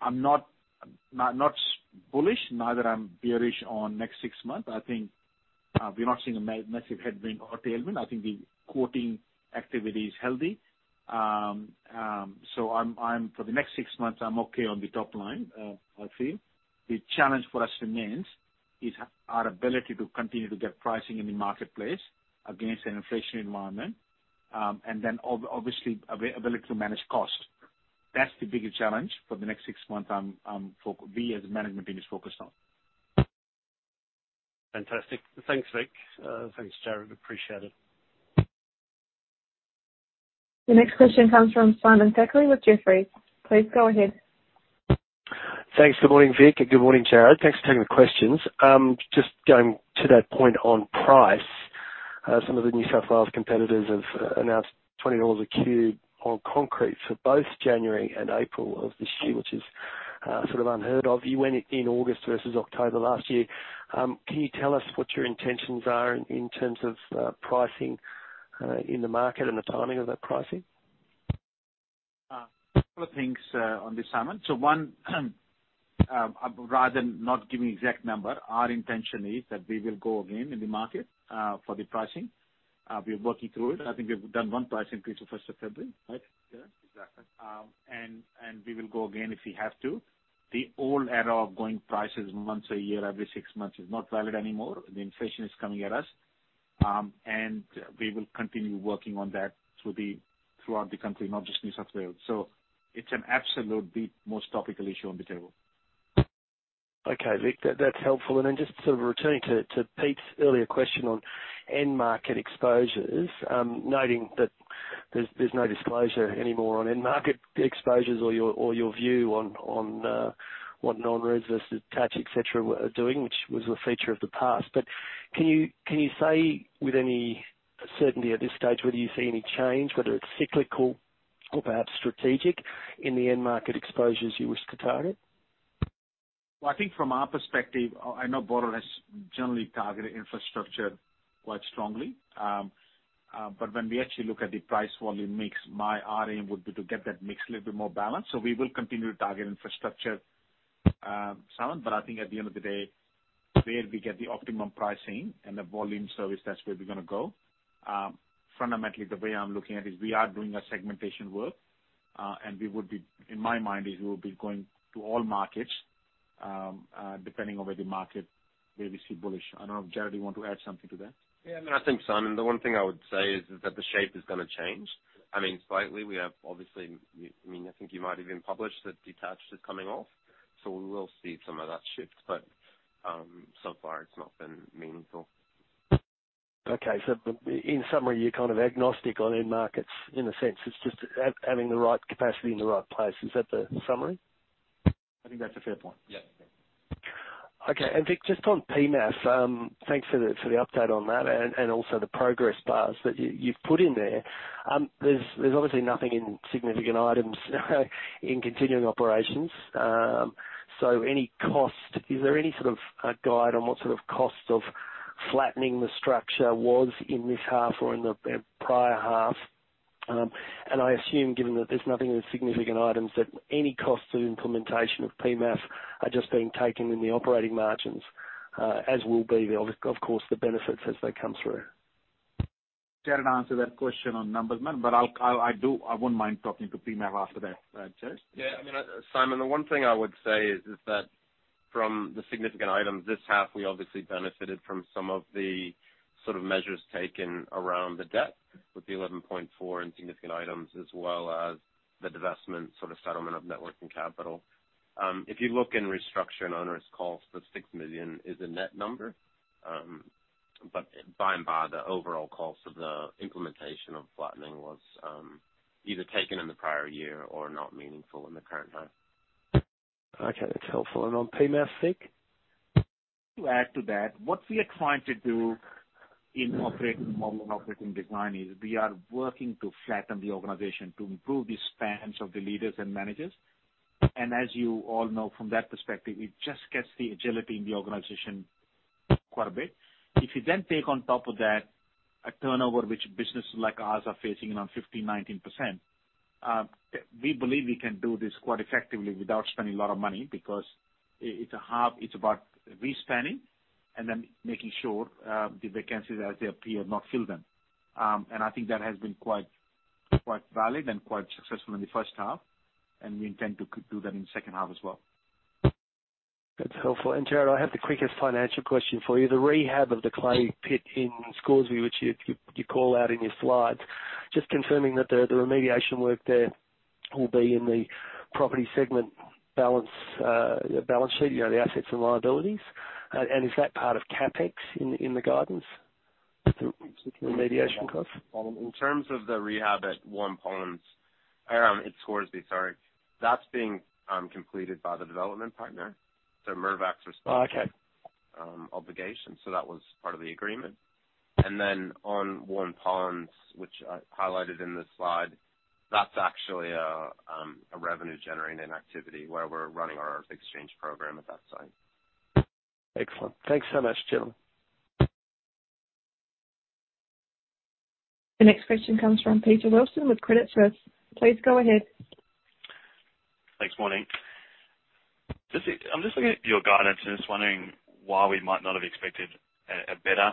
I'm not bullish, neither I'm bearish on next 6 months. I think, we're not seeing a massive headwind or tailwind. I think the quoting activity is healthy. I'm For the next 6 months, I'm okay on the top line, I feel. The challenge for us remains is our ability to continue to get pricing in the marketplace against an inflationary environment, and then obviously ability to manage cost. That's the biggest challenge for the next 6 months we as a management team is focused on. Fantastic. Thanks, Vik. Thanks, Jarrod. Appreciate it. The next question comes from Simon Thackray with Jefferies. Please go ahead. Thanks. Good morning, Vik. Good morning, Jared. Thanks for taking the questions. Just going to that point on price, some of the New South Wales competitors have announced 20 dollars a cube on concrete for both January and April of this year, which is sort of unheard of. You went in August versus October last year. Can you tell us what your intentions are in terms of pricing in the market and the timing of that pricing? Couple of things, on this, Simon. One, rather than not giving exact number, our intention is that we will go again in the market, for the pricing. We're working through it. I think we've done 1 price increase on 1st of February, right? Yeah, exactly. We will go again if we have to. The old era of going prices once a year, every 6 months is not valid anymore. The inflation is coming at us. We will continue working on that throughout the country, not just New South Wales. It's an absolute the most topical issue on the table. Okay, Vik. That's helpful. Just sort of returning to Pete's earlier question on end market exposures, noting that there's no disclosure anymore on end market exposures or your view on what non-res versus attach, et cetera, are doing, which was the feature of the past. Can you say with any certainty at this stage whether you see any change, whether it's cyclical or perhaps strategic in the end market exposures you wish to target? I think from our perspective, I know Boral has generally targeted infrastructure quite strongly. When we actually look at the price volume mix, our aim would be to get that mix a little bit more balanced. We will continue to target infrastructure, Simon, but I think at the end of the day, where we get the optimum pricing and the volume service, that's where we're gonna go. Fundamentally, the way I'm looking at it is we are doing a segmentation work, and we would be, in my mind, is we'll be going to all markets, depending on where the market, where we see bullish. I don't know if Jared you want to add something to that. Yeah. No, I think, Simon, the one thing I would say is that the shape is gonna change. I mean, slightly, we have obviously, we, I mean, I think you might have even published that detached is coming off, so we will see some of that shift. So far it's not been meaningful. In summary, you're kind of agnostic on end markets in a sense. It's just having the right capacity in the right place. Is that the summary? I think that's a fair point. Yeah. Okay. Vik, just on PEMAF, thanks for the, for the update on that and also the progress bars that you've put in there. There's obviously nothing in significant items in continuing operations. Is there any sort of guide on what sort of cost of flattening the structure was in this half or in the prior half? I assume, given that there's nothing in the significant items, that any costs of implementation of PEMAF are just being taken in the operating margins, as will be the of course, the benefits as they come through. Jared will answer that question on numbers, man, but I do, I wouldn't mind talking to PEMAF after that, Chase. Yeah, I mean, Simon, the one thing I would say is that from the significant items this half, we obviously benefited from some of the sort of measures taken around the debt with 11.4 in significant items, as well as the divestment sort of settlement of network and capital. If you look in restructure and onerous costs, the 6 million is a net number. By and by the overall cost of the implementation of flattening was either taken in the prior year or not meaningful in the current time. Okay, that's helpful. On PEMAF, Vik? To add to that, what we are trying to do in operating model and operating design is we are working to flatten the organization to improve the spans of the leaders and managers. As you all know from that perspective, it just gets the agility in the organization quite a bit. If you then take on top of that a turnover which businesses like ours are facing around 15%-19%, we believe we can do this quite effectively without spending a lot of money because it's about respanning and then making sure the vacancies as they appear not fill them. I think that has been quite valid and quite successful in the first half, and we intend to do that in the second half as well. That's helpful. Jared, I have the quickest financial question for you. The rehab of the clay pit in Scoresby, which you call out in your slides, just confirming that the remediation work there will be in the property segment balance sheet, you know, the assets and liabilities. Is that part of CapEx in the guidance, the remediation cost? In terms of the rehab at Scoresby, sorry, that's being completed by the development partner. Oh, okay. Obligation. That was part of the agreement. On Scoresby, which I highlighted in the slide, that's actually a revenue generating activity where we're running our exchange program at that site. Excellent. Thanks so much, gentlemen. The next question comes from Peter Wilson with Credit Suisse. Please go ahead. Thanks. Morning. I'm just looking at your guidance and just wondering why we might not have expected a better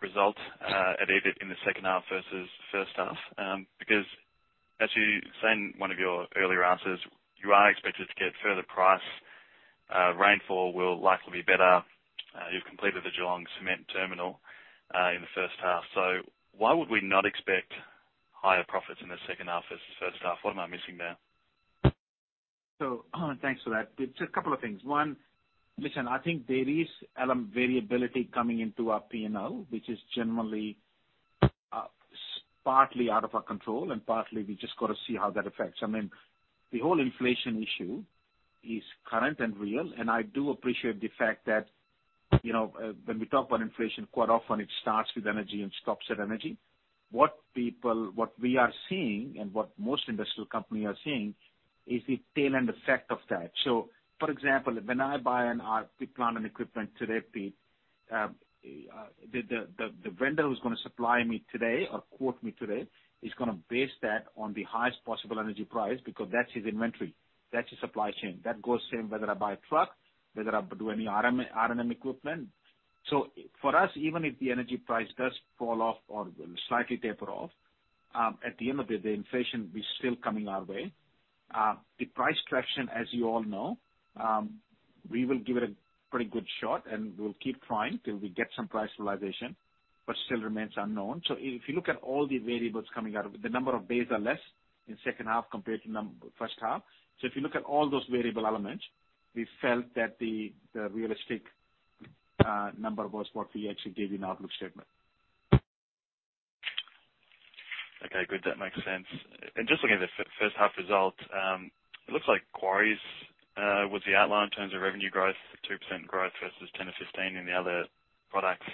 result at EBITDA in the second half versus first half. Because as you said in one of your earlier answers, you are expected to get further price, rainfall will likely be better. You've completed the Geelong cement terminal in the first half. Why would we not expect higher profits in the second half versus first half? What am I missing there? Thanks for that. It's a couple of things. One, listen, I think there is element variability coming into our P&L, which is generally partly out of our control and partly we just gotta see how that affects. I mean, the whole inflation issue is current and real. I do appreciate the fact that, you know, when we talk about inflation, quite often it starts with energy and stops at energy. What we are seeing and what most industrial company are seeing is the tail-end effect of that. For example, when I buy a plant and equipment today, Pete, the vendor who's gonna supply me today or quote me today is gonna base that on the highest possible energy price because that's his inventory, that's his supply chain. That goes same whether I buy a truck, whether I do any RMM equipment. For us, even if the energy price does fall off or slightly taper off, at the end of the day, inflation is still coming our way. The price correction, as you all know, we will give it a pretty good shot, and we'll keep trying till we get some price realization, but still remains unknown. If you look at all the variables coming out of it, the number of days are less in second half compared to first half. If you look at all those variable elements, we felt that the realistic number was what we actually gave you in our outlook statement. Okay, good. That makes sense. Just looking at the first half results, it looks like quarries was the outlier in terms of revenue growth, 2% growth versus 10%-15% in the other products.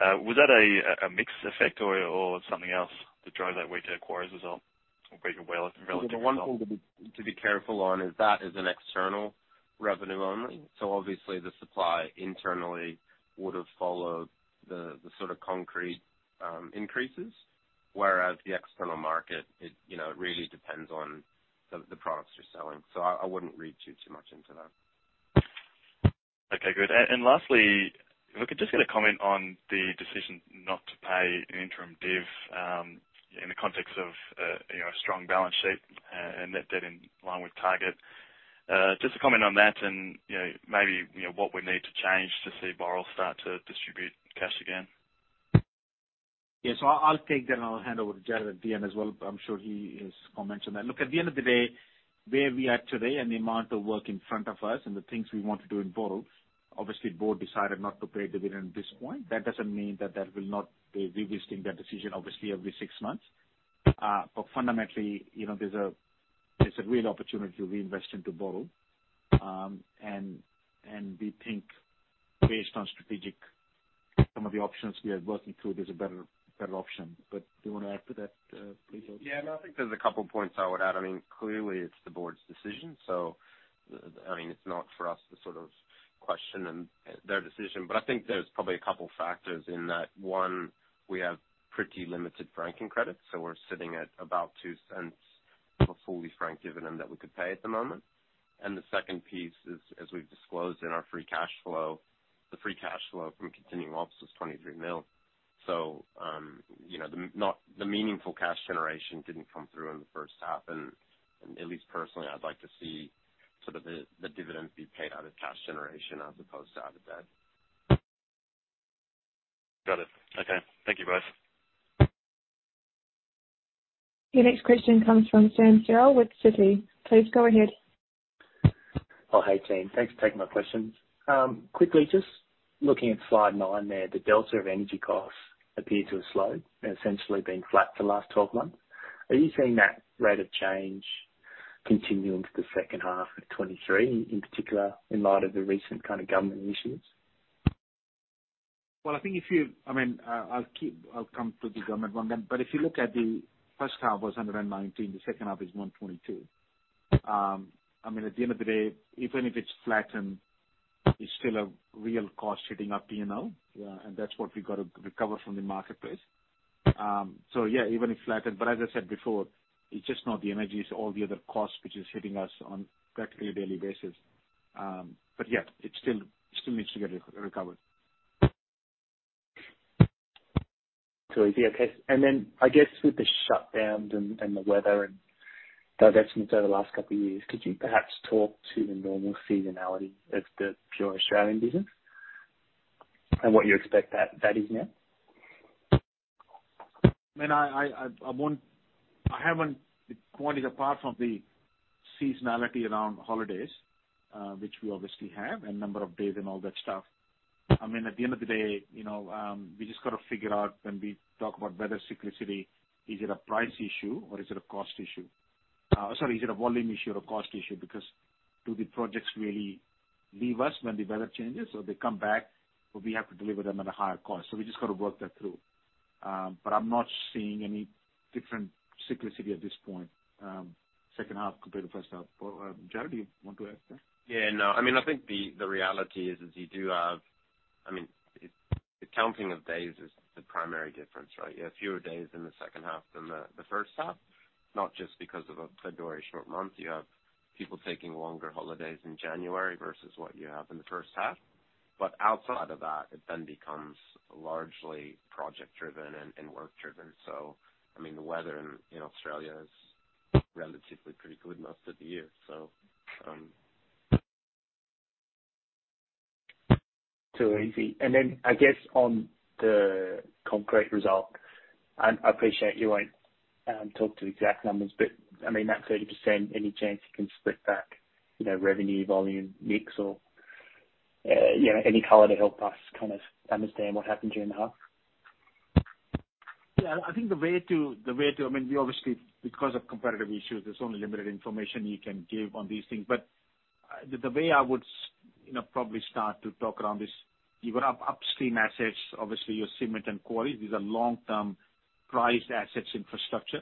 Was that a mixed effect or something else to drive that weaker quarries result or weaker well relative- The one thing to be careful on is that is an external revenue only. Obviously the supply internally would have followed the sort of concrete increases, whereas the external market, it, you know, it really depends on the products you're selling. I wouldn't read too much into that. Okay, good. Lastly, if I could just get a comment on the decision not to pay an interim div, in the context of, you know, a strong balance sheet and net debt in line with target. Just a comment on that and, you know, maybe, you know, what we need to change to see Boral start to distribute cash again. I'll take that, and I'll hand over to Jared at the end as well. I'm sure he has comments on that. Look, at the end of the day, where we are today and the amount of work in front of us and the things we want to do in Boral, obviously, Board decided not to pay a dividend at this point. That doesn't mean that will not be revisiting that decision, obviously, every 6 months. Fundamentally, you know, there's a real opportunity to reinvest into Boral. And we think based on strategic, some of the options we are working through, there's a better option. Do you want to add to that, please, Jared? No, I think there's a couple points I would add. I mean, clearly it's the board's decision. I mean, it's not for us to sort of question them their decision. I think there's probably a couple factors in that. One, we have pretty limited franking credits. We're sitting at about 0.02 of a fully franked dividend that we could pay at the moment. The second piece is, as we've disclosed in our free cash flow, the free cash flow from continuing ops was 23 million. You know, the meaningful cash generation didn't come through in the first half. At least personally, I'd like to see sort of the dividends be paid out of cash generation as opposed to out of debt. Got it. Okay. Thank you both. Your next question comes from Sam Seow with Citi. Please go ahead. Hey, team. Thanks for taking my questions. Quickly, just looking at Slide 9 there, the delta of energy costs appear to have slowed, essentially been flat for the last 12 months. Are you seeing that rate of change continue into the second half of 2023, in particular, in light of the recent kind of government initiatives? Well, I think if you. I mean, I'll come to the government one. If you look at the first half was 119, the second half is 122. I mean, at the end of the day, even if it's flattened, it's still a real cost hitting our P&L, and that's what we've got to recover from the marketplace. Yeah, even it's flattened, as I said before, it's just not the energies, all the other costs which is hitting us on practically a daily basis. Yeah, it still needs to get re-recovered. Too easy. Okay. I guess with the shutdowns and the weather and diversions over the last couple of years, could you perhaps talk to the normal seasonality of the pure Australian business and what you expect that is now? I mean, I haven't pointed apart from the seasonality around holidays, which we obviously have, and number of days and all that stuff. I mean, at the end of the day, you know, we just gotta figure out when we talk about weather cyclicity, is it a price issue or is it a cost issue? Is it a volume issue or cost issue? Because do the projects really leave us when the weather changes or they come back, but we have to deliver them at a higher cost? We just got to work that through. I'm not seeing any different cyclicity at this point, second half compared to first half. Jared, do you want to add there? Yeah, no. I mean, I think the reality is you do have... I mean, the counting of days is the primary difference, right? You have fewer days in the second half than the first half, not just because of a February short month. You have people taking longer holidays in January versus what you have in the first half. Outside of that, it then becomes largely project driven and work driven. I mean, the weather in Australia is relatively pretty good most of the year. Too easy. I guess on the concrete result, I appreciate you won't talk to exact numbers, I mean, that 30%, any chance you can split back, you know, revenue, volume, mix or, you know, any color to help us kind of understand what happened during the half? Yeah, I think the way to, I mean, we obviously, because of competitive issues, there's only limited information you can give on these things. The way I would, you know, probably start to talk around this, you've got upstream assets, obviously your cement and quarries. These are long-term priced assets infrastructure.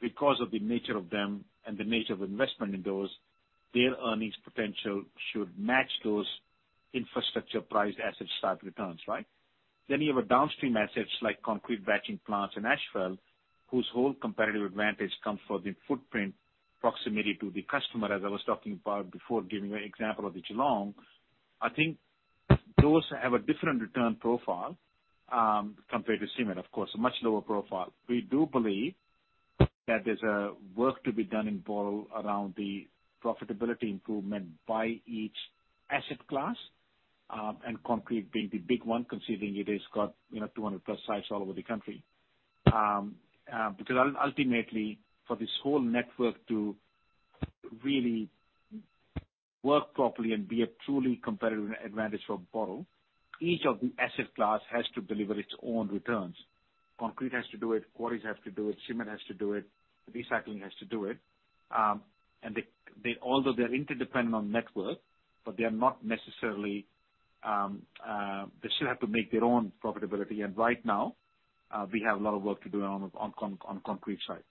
Because of the nature of them and the nature of investment in those, their earnings potential should match those infrastructure priced assets type returns, right? You have downstream assets like concrete batching plants and asphalt, whose whole competitive advantage comes from the footprint proximity to the customer, as I was talking about before, giving an example of the Geelong. I think those have a different return profile, compared to cement, of course, a much lower profile. We do believe that there's a work to be done in Boral around the profitability improvement by each asset class, and concrete being the big one, considering it has got, you know, 200+ sites all over the country. Because ultimately, for this whole network to really work properly and be a truly competitive advantage for Boral, each of the asset class has to deliver its own returns. Concrete has to do it, quarries have to do it, cement has to do it, recycling has to do it. They, although they're interdependent on network, but they are not necessarily. They still have to make their own profitability. Right now, we have a lot of work to do on concrete side.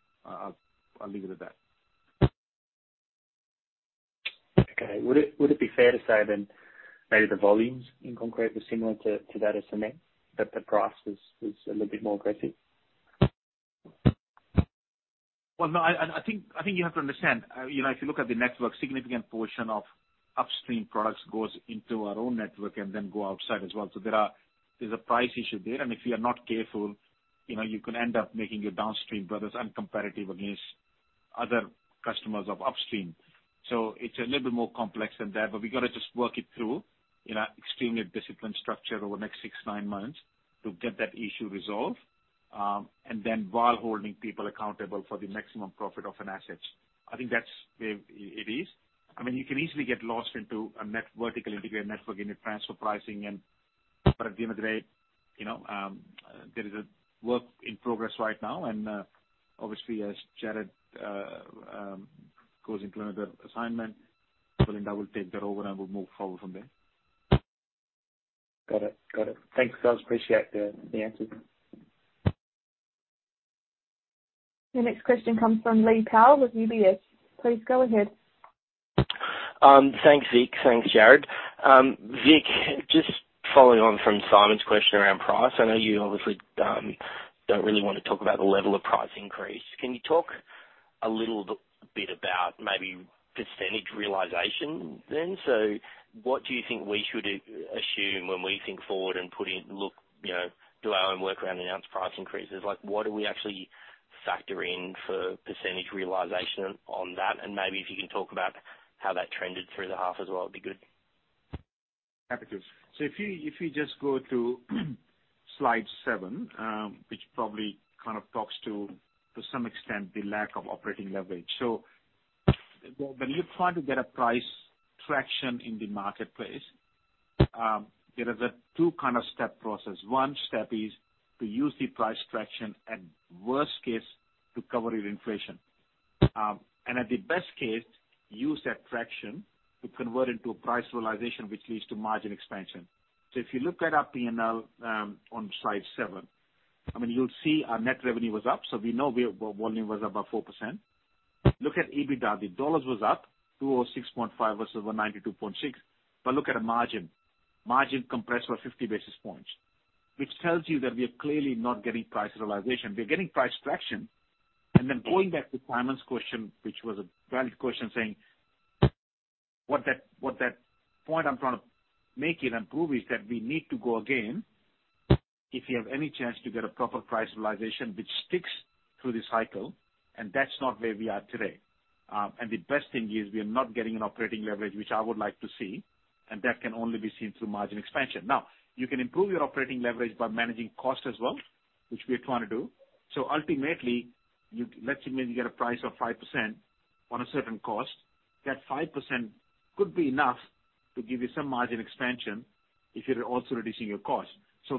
I'll leave it at that. Okay. Would it be fair to say then maybe the volumes in concrete were similar to that of cement, but the price was a little bit more aggressive? No. I think you have to understand, you know, if you look at the network, significant portion of upstream products goes into our own network and then go outside as well. There's a price issue there. If you are not careful, you know, you can end up making your downstream brothers uncompetitive against Other customers of upstream. It's a little bit more complex than that, we gotta just work it through in an extremely disciplined structure over the next 6, 9 months to get that issue resolved. While holding people accountable for the maximum profit of an assets. I think that's where it is. I mean, you can easily get lost into a vertically integrated net working transfer pricing. At the end of the day, you know, there is a work in progress right now, and obviously as Jared goes into another assignment, Belinda will take that over and we'll move forward from there. Got it. Thanks, guys. Appreciate the answer. The next question comes from Lee Power with UBS. Please go ahead. Thanks, Vik. Thanks, Jared. Vik, just following on from Simon's question around price, I know you obviously don't really wanna talk about the level of price increase. Can you talk a little bit about maybe percentage realization then? What do you think we should assume when we think forward and put in, you know, do our own work around announced price increases? Like, what do we actually factor in for percentage realization on that? Maybe if you can talk about how that trended through the half as well, it'd be good. Happy to. If you just go to Slide 7, which probably kind of talks to some extent the lack of operating leverage. When you're trying to get a price traction in the marketplace, there is a two kind of step process. One step is to use the price traction at worst case to cover your inflation. At the best case, use that traction to convert into a price realization, which leads to margin expansion. If you look at our P&L, on Slide 7, I mean, you'll see our net revenue was up. We know volume was above 4%. Look at EBITDA. The dollars was up 206.5 versus 192.6. Look at the margin. Margin compressed by 50 basis points, which tells you that we are clearly not getting price realization. We're getting price traction. Going back to Simon's question, which was a valid question, saying what that point I'm trying to make here and prove is that we need to go again if you have any chance to get a proper price realization which sticks through the cycle, and that's not where we are today. The best thing is we are not getting an operating leverage, which I would like to see, and that can only be seen through margin expansion. You can improve your operating leverage by managing cost as well, which we are trying to do. Let's say maybe you get a price of 5% on a certain cost. That 5% could be enough to give you some margin expansion if you're also reducing your cost.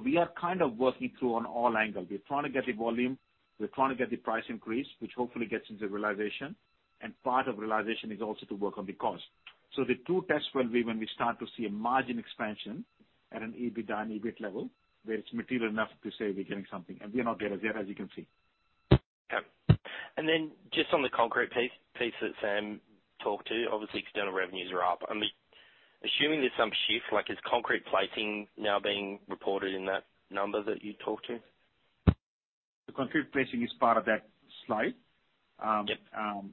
We are kind of working through on all angles. We're trying to get the volume, we're trying to get the price increase, which hopefully gets into realization. Part of realization is also to work on the cost. The two tests will be when we start to see a margin expansion at an EBITDA and EBIT level, where it's material enough to say we're getting something. We're not there as yet, as you can see. Okay. Then just on the concrete piece that Sam talked to, obviously external revenues are up. I mean, assuming there's some shift, like is concrete placing now being reported in that number that you talked to? The concrete placing is part of that slide. Yep.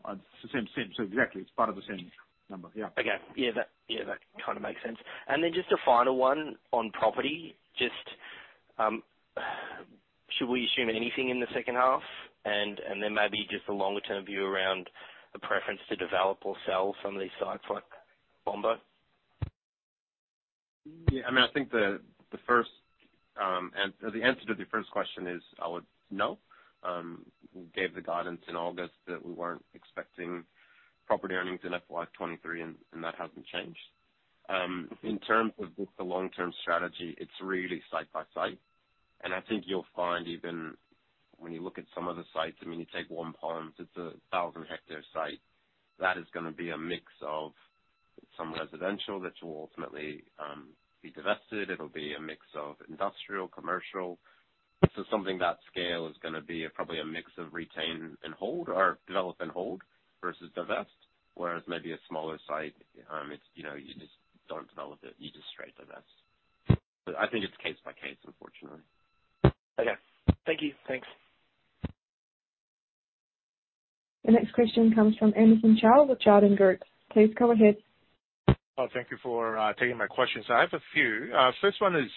It's the same. Exactly, it's part of the same number. Yeah. Okay. Yeah, that kind of makes sense. Then just a final one on property. Just, should we assume anything in the second half? Then maybe just a longer term view around the preference to develop or sell some of these sites like Bombo. I mean, The answer to the first question is, I would no. We gave the guidance in August that we weren't expecting property earnings in FY 23 and that hasn't changed. In terms of just the long-term strategy, it's really site by site. I think you'll find even when you look at some of the sites, I mean, you take Waurn Ponds, it's a 1,000 hectare site. That is gonna be a mix of some residential that will ultimately be divested. It'll be a mix of industrial, commercial. Something that scale is gonna be probably a mix of retain and hold or develop and hold versus divest. Whereas maybe a smaller site, it's, you know, you just don't develop it. You just straight divest. I think it's case by case, unfortunately. Okay. Thank you. Thanks. The next question comes from Anderson Chow with Jarden Group. Please go ahead. Thank you for taking my questions. I have a few. First one is,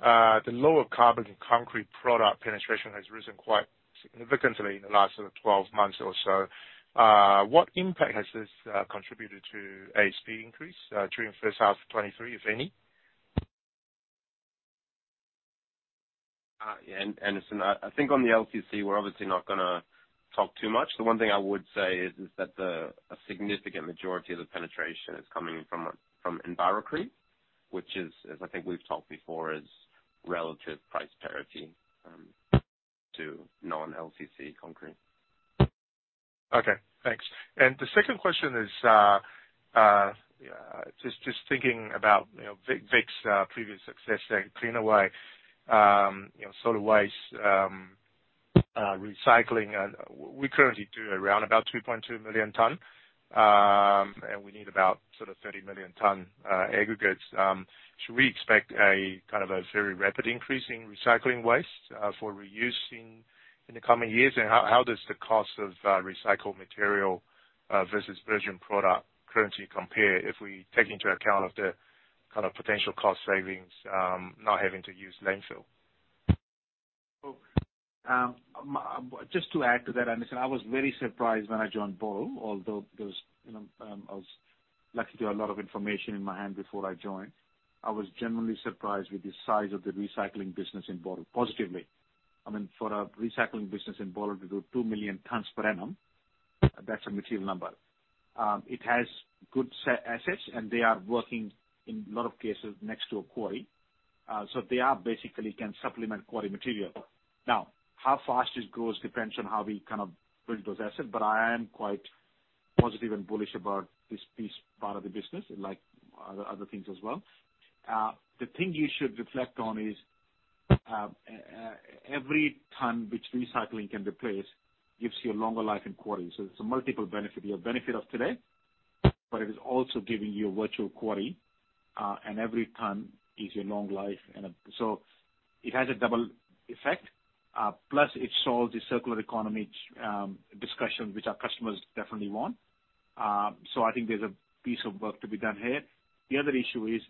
the lower carbon concrete product penetration has risen quite significantly in the last sort of 12 months or so. What impact has this contributed to ASP increase during the first half of 2023, if any? Yeah, Anderson, I think on the LCC, we're obviously not gonna talk too much. The one thing I would say is that a significant majority of the penetration is coming from Envirocrete, which is, as I think we've talked before, is relative price parity to non-LCC concrete. Okay, thanks. The second question is just thinking about, you know, Vik's previous success at Cleanaway, you know, solid waste, recycling. We currently do around about 2.2 million tons, we need about sort of 30 million tons aggregates. Should we expect a kind of a very rapid increase in recycling waste for reuse in the coming years? How does the cost of recycled material versus virgin product currently compare if we take into account of the kind of potential cost savings not having to use landfill? Just to add to that, Anderson, I was very surprised when I joined Boral, although there's, you know, I was lucky to have a lot of information in my hand before I joined. I was generally surprised with the size of the recycling business in Boral, positively. I mean, for a recycling business in Boral to do 2 million tons per annum, that's a material number. It has good set assets, and they are working, in a lot of cases, next to a quarry. So they are basically can supplement quarry material. How fast this grows depends on how we kind of build those assets, but I am quite positive and bullish about this piece, part of the business, like other things as well. The thing you should reflect on is every ton which recycling can replace gives you a longer life in quarry. It's a multiple benefit. Your benefit of today, but it is also giving you a virtual quarry, and every ton is a long life. It has a double effect. Plus it solves the circular economy discussion, which our customers definitely want. I think there's a piece of work to be done here. The other issue is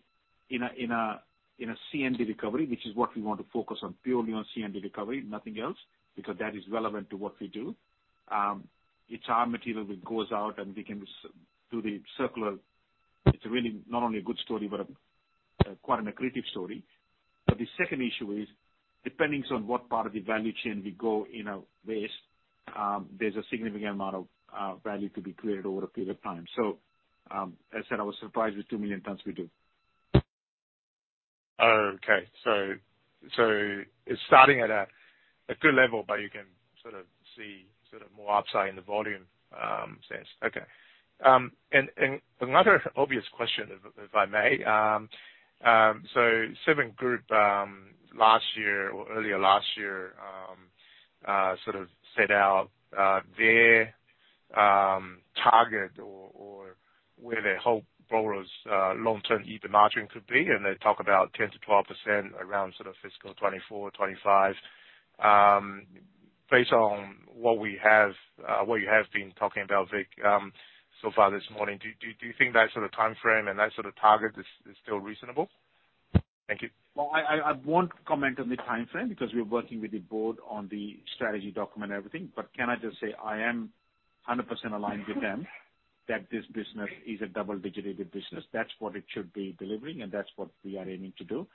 in a C&D recovery, which is what we want to focus on, purely on C&D recovery, nothing else, because that is relevant to what we do. It's our material that goes out and we can do the circular. It's really not only a good story but a quite an accretive story. The second issue is, depending on what part of the value chain we go in our waste, there's a significant amount of value to be created over a period of time. As I said, I was surprised with 2 million tons we do. Okay. It's starting at a good level, but you can sort of see sort of more upside in the volume sense. Okay. Another obvious question, if I may, Seven Group last year or earlier last year, sort of set out their target or where they hope Boral's long-term EBITDA margin could be, and they talk about 10%-12% around sort of fiscal 2024, 2025. Based on what we have, what you have been talking about, Vik, so far this morning, do you think that sort of timeframe and that sort of target is still reasonable? Thank you. Well, I won't comment on the timeframe because we're working with the board on the strategy document and everything. Can I just say I am 100% aligned with them that this business is a double-digit EBIT business. That's what it should be delivering, and that's what we are aiming to do.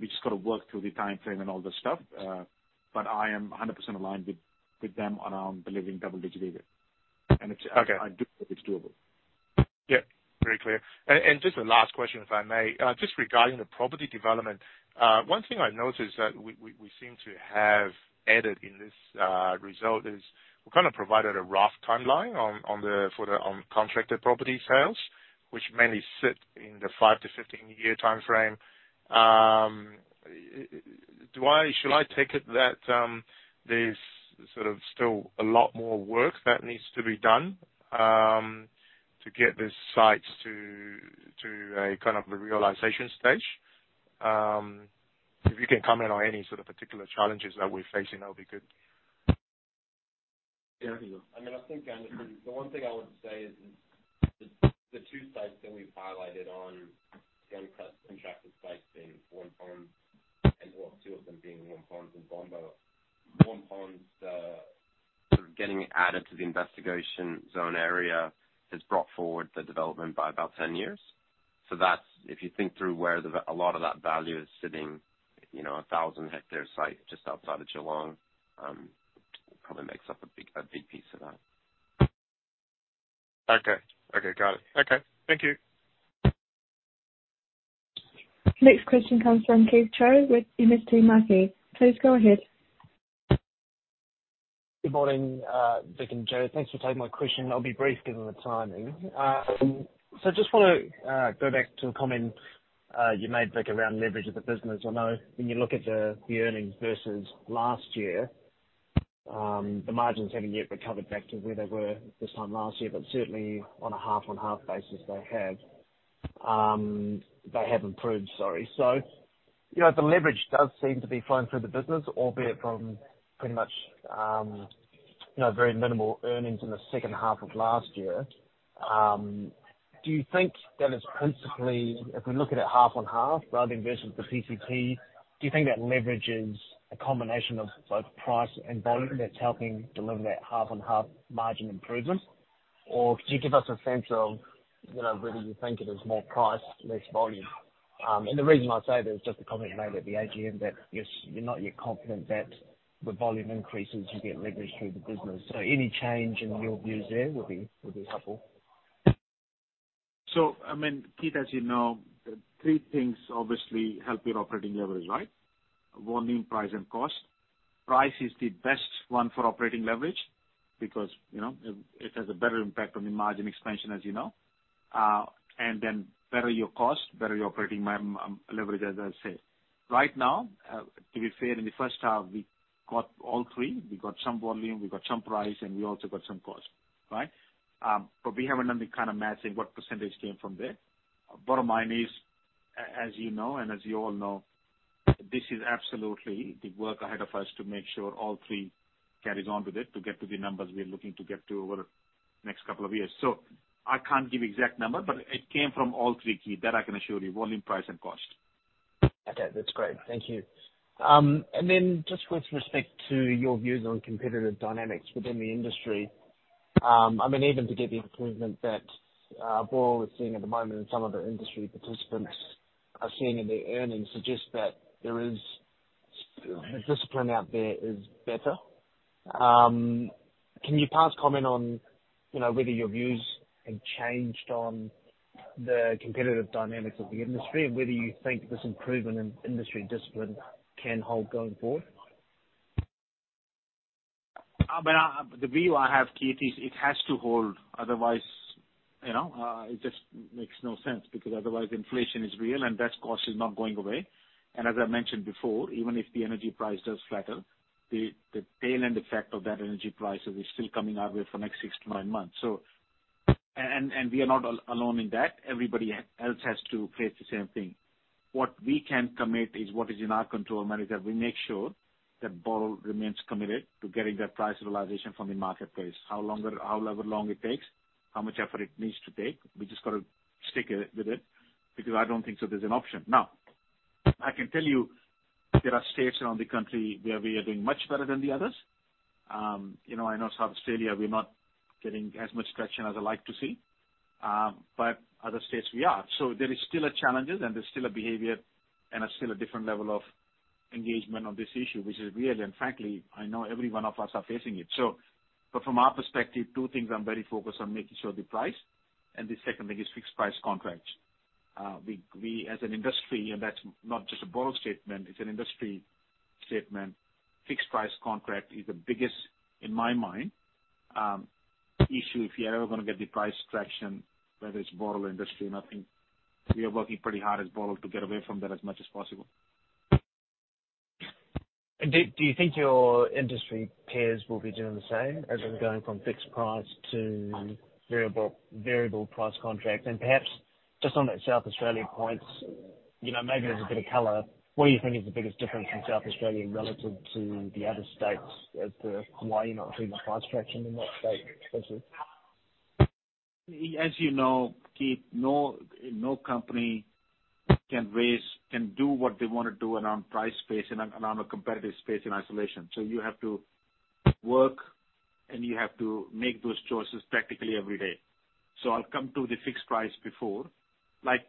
We just got to work through the timeframe and all that stuff. I am 100% aligned with them around delivering double-digit EBIT. Okay. I do think it's doable. Yeah, very clear. Just a last question, if I may, just regarding the property development. One thing I noticed that we seem to have added in this result is we're gonna provide a rough timeline on the for the uncontracted property sales, which mainly sit in the 5-15-year timeframe. Should I take it that there's sort of still a lot more work that needs to be done to get these sites to a kind of a realization stage? If you can comment on any sort of particular challenges that we're facing, that'll be good. Yeah. I mean, I think, Anderson, the one thing I would say is the two sites that we've highlighted on the uncontracted sites being Waurn Ponds and, or two of them being Waurn Ponds and Bombo. Waurn Ponds, sort of getting added to the investigation zone area has brought forward the development by about 10 years. That's, if you think through where the, a lot of that value is sitting, you know, a 1,000 hectare site just outside of Geelong, probably makes up a big piece of that. Okay. Okay. Got it. Okay. Thank you. Next question comes from Keith Chau with MST Marquee. Please go ahead. Good morning, Vik and Jared. Thanks for taking my question. I'll be brief given the timing. Just wanna go back to a comment you made, Vik, around leverage of the business. I know when you look at the earnings versus last year, the margins haven't yet recovered back to where they were this time last year, but certainly on a half-on-half basis, they have. They have improved, sorry. You know, the leverage does seem to be flowing through the business, albeit from pretty much, you know, very minimal earnings in the second half of last year. Do you think that is principally, if we look at it half on half rather than versus the PCT, do you think that leverage is a combination of both price and volume that's helping deliver that half-on-half margin improvement? Could you give us a sense of, you know, whether you think it is more price, less volume? The reason I say that is just the comment you made at the AGM that you're not yet confident that the volume increases, you get leverage through the business. Any change in your views there would be helpful. I mean, Keith, as you know, three things obviously help your operating leverage, right? Volume, price, and cost. Price is the best one for operating leverage because, you know, it has a better impact on the margin expansion as you know. And then better your cost, better your operating leverage as I said. Right now, to be fair, in the first half, we got all three. We got some volume, we got some price, and we also got some cost, right? But we haven't done the kind of matching what percentage came from there. Bottom line is, as you know, and as you all know, this is absolutely the work ahead of us to make sure all three carries on with it to get to the numbers we're looking to get to over next couple of years. I can't give you exact number, but it came from all three, Keith. That I can assure you, volume, price, and cost. Okay, that's great. Thank you. Just with respect to your views on competitive dynamics within the industry, I mean, even to get the improvement that Boral is seeing at the moment and some of the industry participants are seeing in their earnings suggest that there is discipline out there is better. Can you pass comment on, you know, whether your views have changed on the competitive dynamics of the industry and whether you think this improvement in industry discipline can hold going forward? I mean, The view I have, Keith, is it has to hold otherwise, you know, it just makes no sense because otherwise inflation is real and that cost is not going away. As I mentioned before, even if the energy price does flatten, the tail end effect of that energy prices is still coming our way for next 6 to 9 months. We are not alone in that. Everybody else has to face the same thing. What we can commit is what is in our control, manager. We make sure that Boral remains committed to getting that price realization from the marketplace, however long it takes, how much effort it needs to take, we just gotta stick it, with it because I don't think so there's an option. I can tell you there are states around the country where we are doing much better than the others. You know, I know South Australia, we're not getting as much traction as I like to see, but other states we are. There is still a challenges, and there's still a behavior and are still a different level of engagement on this issue, which is real. Frankly, I know every one of us are facing it. But from our perspective, two things I'm very focused on making sure the price, and the second thing is fixed price contracts. We as an industry, and that's not just a Boral statement, it's an industry statement, fixed price contract is the biggest, in my mind, issue if you're ever gonna get the price traction, whether it's Boral industry. I think we are working pretty hard as Boral to get away from that as much as possible. Do you think your industry peers will be doing the same as in going from fixed price to variable price contracts? Perhaps just on that South Australia points, you know, maybe there's a bit of color, what do you think is the biggest difference in South Australia relative to the other states as to why you're not seeing the price traction in that state especially? As you know, Keith, no company can do what they wanna do around price space and around a competitive space in isolation. You have to work, and you have to make those choices practically every day. I'll come to the fixed price before. Like,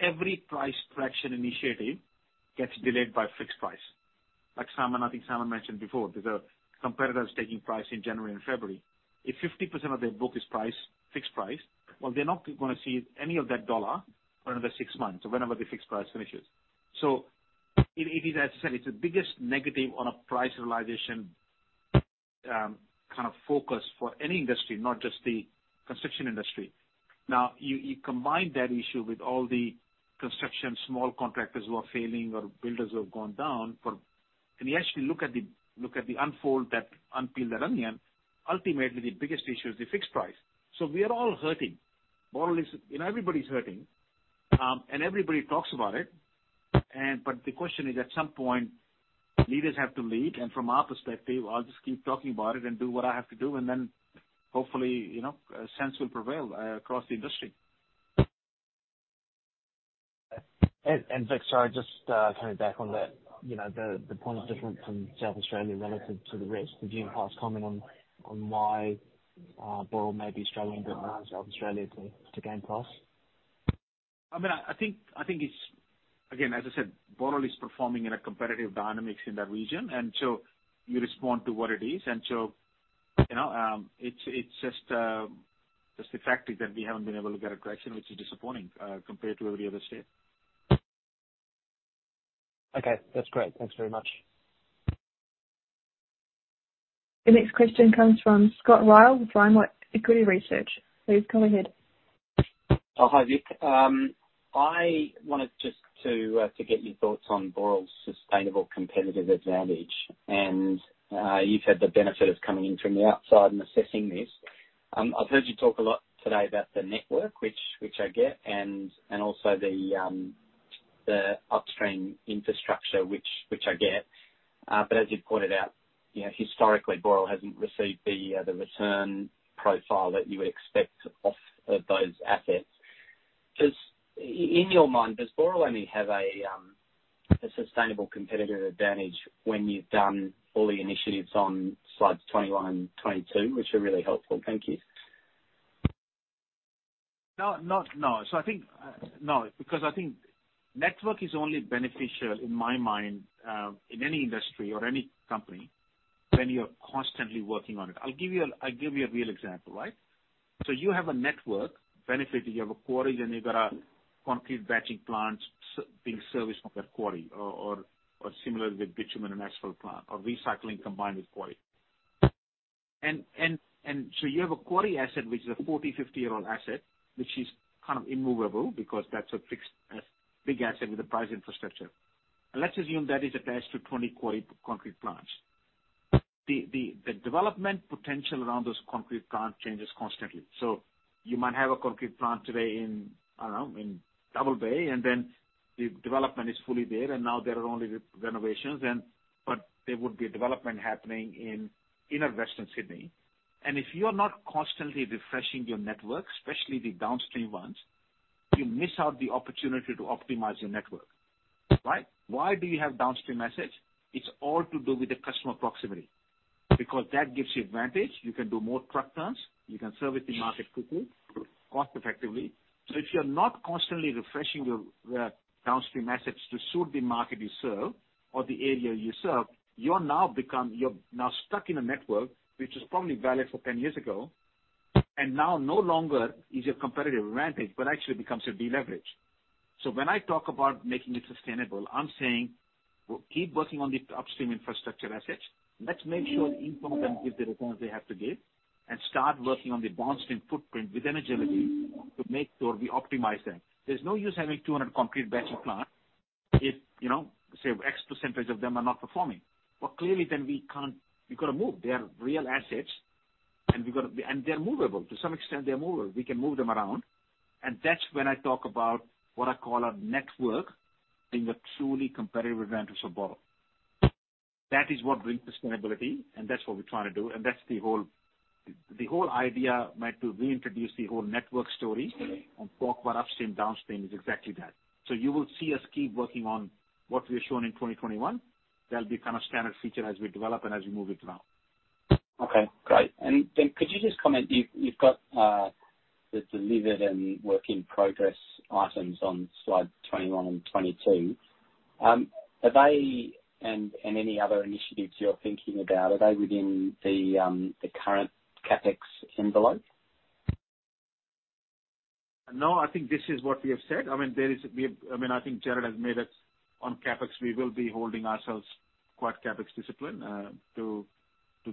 every price traction initiative gets delayed by fixed price. Like Simon, I think Simon mentioned before, there are competitors taking price in January and February. If 50% of their book is priced fixed price, well, they're not gonna see any of that AUD for another 6 months or whenever the fixed price finishes. It is, as I said, it's the biggest negative on a price realization, kind of focus for any industry, not just the construction industry. You combine that issue with all the construction small contractors who are failing or builders who have gone down for... Can you actually look at the unfold that, unpeel that onion? Ultimately, the biggest issue is the fixed price. We are all hurting. You know, everybody's hurting, and everybody talks about it. The question is, at some point, leaders have to lead. From our perspective, I'll just keep talking about it and do what I have to do, and then hopefully, you know, sense will prevail across the industry. Vik, sorry, just coming back on that. You know, the point of difference from South Australia relative to the rest. Could you pass comment on why Boral may be struggling a bit more in South Australia to gain price? I mean, I think it's. Again, as I said, Boral is performing in a competitive dynamics in that region. You respond to what it is. You know, it's just the fact is that we haven't been able to get a traction, which is disappointing, compared to every other state. Okay. That's great. Thanks very much. The next question comes from Scott Ryall with Rimor Equity Research. Please go ahead. Hi, Vik. I wanted just to get your thoughts on Boral's sustainable competitive advantage. You've had the benefit of coming in from the outside and assessing this. I've heard you talk a lot today about the network, which I get, and also the upstream infrastructure which I get. As you pointed out, you know, historically, Boral hasn't received the return profile that you would expect off those assets. In your mind, does Boral only have a sustainable competitive advantage when you've done all the initiatives on Slides 21, 22, which are really helpful? Thank you. No, not, no. I think, no. Because I think network is only beneficial in my mind, in any industry or any company when you're constantly working on it. I'll give you a real example, right? You have a network benefit, you have a quarry, then you got a concrete batching plants being serviced from that quarry or similarly with bitumen and asphalt plant or recycling combined with quarry. You have a quarry asset, which is a 40, 50-year-old asset, which is kind of immovable because that's a fixed, big asset with a price infrastructure. Let's assume that is attached to 20 quarry concrete plants. The development potential around those concrete plant changes constantly. You might have a concrete plant today in, I don't know, in Double Bay, then the development is fully there. Now there are only re-renovations. There would be development happening in inner Western Sydney. If you are not constantly refreshing your network, especially the downstream ones, you miss out the opportunity to optimize your network, right? Why do you have downstream assets? It's all to do with the customer proximity. That gives you advantage. You can do more truck turns, you can service the market quickly, cost effectively. If you're not constantly refreshing your downstream assets to suit the market you serve or the area you serve, You're now stuck in a network which is probably valid for 10 years ago, and now no longer is your competitive advantage, but actually becomes your deleverage. When I talk about making it sustainable, I'm saying, keep working on the upstream infrastructure assets. Let's make sure each one of them give the returns they have to give and start working on the downstream footprint with agility to make sure we optimize them. There's no use having 200 concrete batching plant if, you know, say, X percentage of them are not performing. Clearly then we can't, we've got to move. They are real assets. They're movable. To some extent, they're movable. We can move them around. That's when I talk about what I call our network being a truly competitive advantage for Boral. That is what brings sustainability, and that's what we're trying to do. That's the whole idea, mate, to reintroduce the whole network story and talk about upstream, downstream is exactly that. You will see us keep working on what we have shown in 2021. That'll be kind of standard feature as we develop and as we move it around. Okay, great. Could you just comment. You've got the delivered and work in progress items on Slide 21 and 22. Are they and any other initiatives you're thinking about, are they within the current CapEx envelope? No, I think this is what we have said. I mean, I think Jared has made it on CapEx. We will be holding ourselves quite CapEx disciplined, to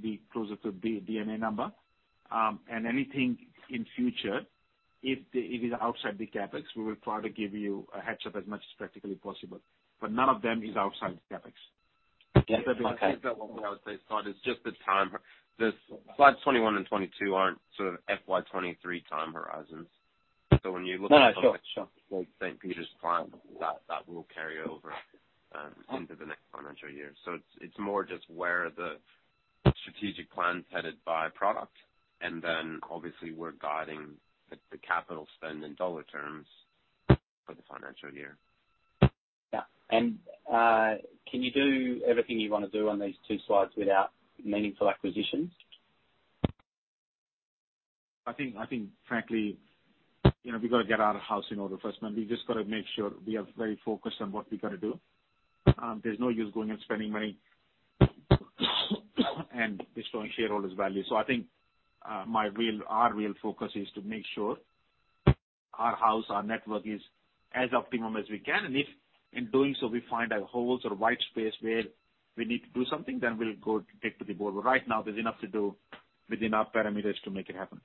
be closer to D&A number. Anything in future, if it's outside the CapEx, we will try to give you a heads up as much as practically possible. None of them is outside the CapEx. Okay. It's just the time. The Slides 21 and 22 aren't sort of FY 2023 time horizons. No, no. Sure, sure. St Peters plant, that will carry over into the next financial year. It's more just where the strategic plan is headed by product. Then obviously we're guiding the capital spend in dollar terms for the financial year. Yeah. Can you do everything you wanna do on these two slides without meaningful acquisitions? I think frankly, you know, we've got to get our house in order first. We've just got to make sure we are very focused on what we got to do. There's no use going and spending money and destroying shareholders' value. I think, our real focus is to make sure our house, our network is as optimum as we can. If in doing so, we find there are holes or white space where we need to do something, then we'll go take to the board. Right now there's enough to do within our parameters to make it happen.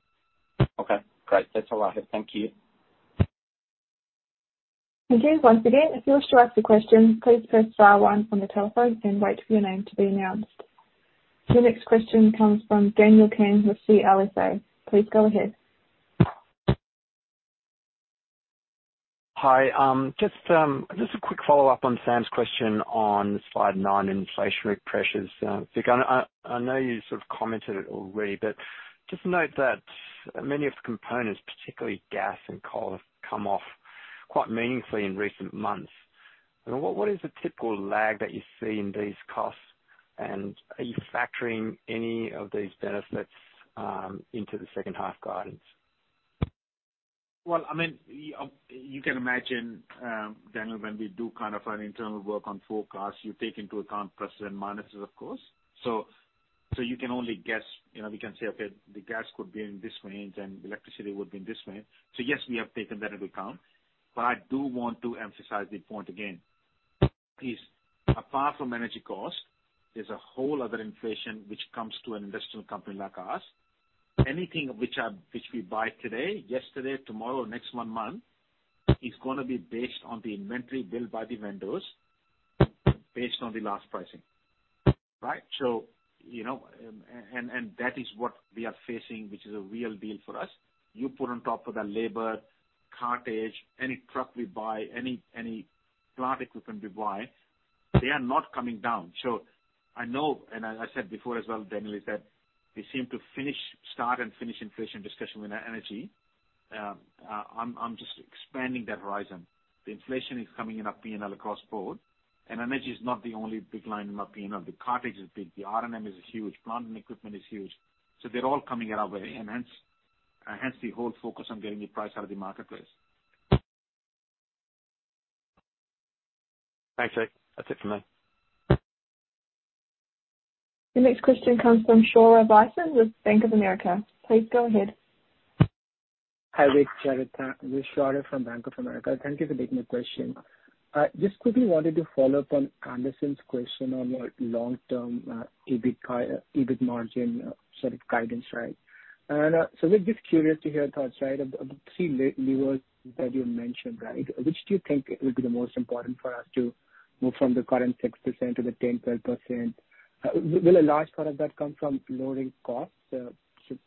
Okay, great. That's all I have. Thank you. Again, once again, if you wish to ask a question, please press star one on your telephone and wait for your name to be announced. The next question comes from Daniel Kang with CLSA. Please go ahead. Hi. just a quick follow-up on Sam's question on Slide 9, inflationary pressures. Vik, I know you sort of commented it already, but just note that many of the components, particularly gas and coal, have come off quite meaningfully in recent months. What is the typical lag that you see in these costs? Are you factoring any of these benefits into the second half guidance? Well, I mean, you can imagine, Daniel, when we do kind of an internal work on forecast, you take into account pluses and minuses, of course. You can only guess. You know, we can say, "Okay, the gas could be in this range and electricity would be in this range." Yes, we have taken that into account. I do want to emphasize the point again, is apart from energy cost, there's a whole other inflation which comes to an industrial company like us. Anything which we buy today, yesterday, tomorrow, next one month, is gonna be based on the inventory built by the vendors based on the last pricing, right? You know, and that is what we are facing, which is a real deal for us. You put on top of the labor, cartage, any truck we buy, any plant equipment we buy, they are not coming down. I know, and I said before as well, Daniel, is that we seem to start and finish inflation discussion with our energy. I'm just expanding that horizon. The inflation is coming in our P&L across board. Energy is not the only big line in our P&L. The cartage is big, the RMM is huge, plant and equipment is huge. They're all coming our way. Hence the whole focus on getting the price out of the marketplace. Thanks, Vik. That's it from me. The next question comes from Shaurya Visen with Bank of America. Please go ahead. Hi, Vik, Jared. This is Shaurya from Bank of America. Thank you for taking the question. Just quickly wanted to follow up on Anderson's question on your long-term, EBIT margin sort of guidance, right? We're just curious to hear your thoughts, right? Of the three levers that you mentioned, right, which do you think will be the most important for us to move from the current 6% to the 10%-12%? Will a large part of that come from lowering costs,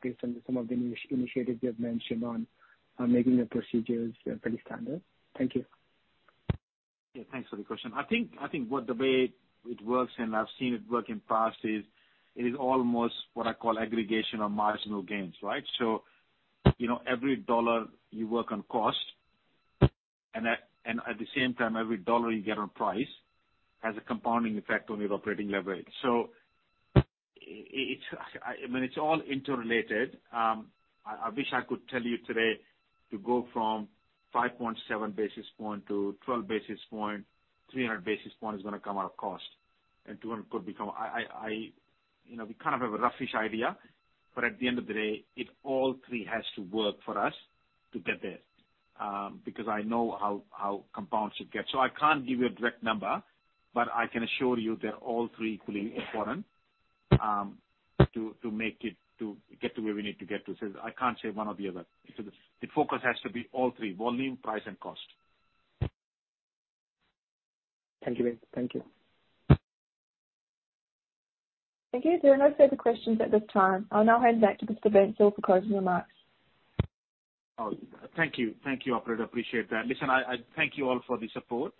based on some of the initiatives you have mentioned on making the procedures, pretty standard? Thank you. Yeah, thanks for the question. I think what the way it works, and I've seen it work in the past, is it is almost what I call aggregation of marginal gains, right? You know, every dollar you work on cost and at the same time, every dollar you get on price has a compounding effect on your operating leverage. I mean, it's all interrelated. I wish I could tell you today to go from 5.7 basis point to 12 basis point, 300 basis point is gonna come out of cost and 200 could become... You know, we kind of have a roughish idea, but at the end of the day, it all three has to work for us to get there, because I know how compounds should get. I can't give you a direct number, but I can assure you that all three equally important to make it to get to where we need to get to. I can't say one or the other. The focus has to be all three: volume, price, and cost. Thank you, Vik. Thank you. Thank you. There are no further questions at this time. I'll now hand back to Mr. Bansal for closing remarks. Oh, thank you. Thank you, operator. I appreciate that. Listen, I thank you all for the support.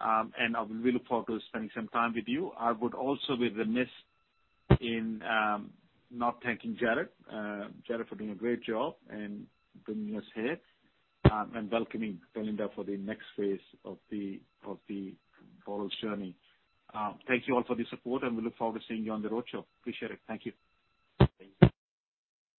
I really look forward to spending some time with you. I would also be remiss in, not thanking Jared. Jared for doing a great job and bringing us here, welcoming Belinda for the next phase of the Boral's journey. Thank you all for the support. We look forward to seeing you on the roadshow. Appreciate it. Thank you. Thank you.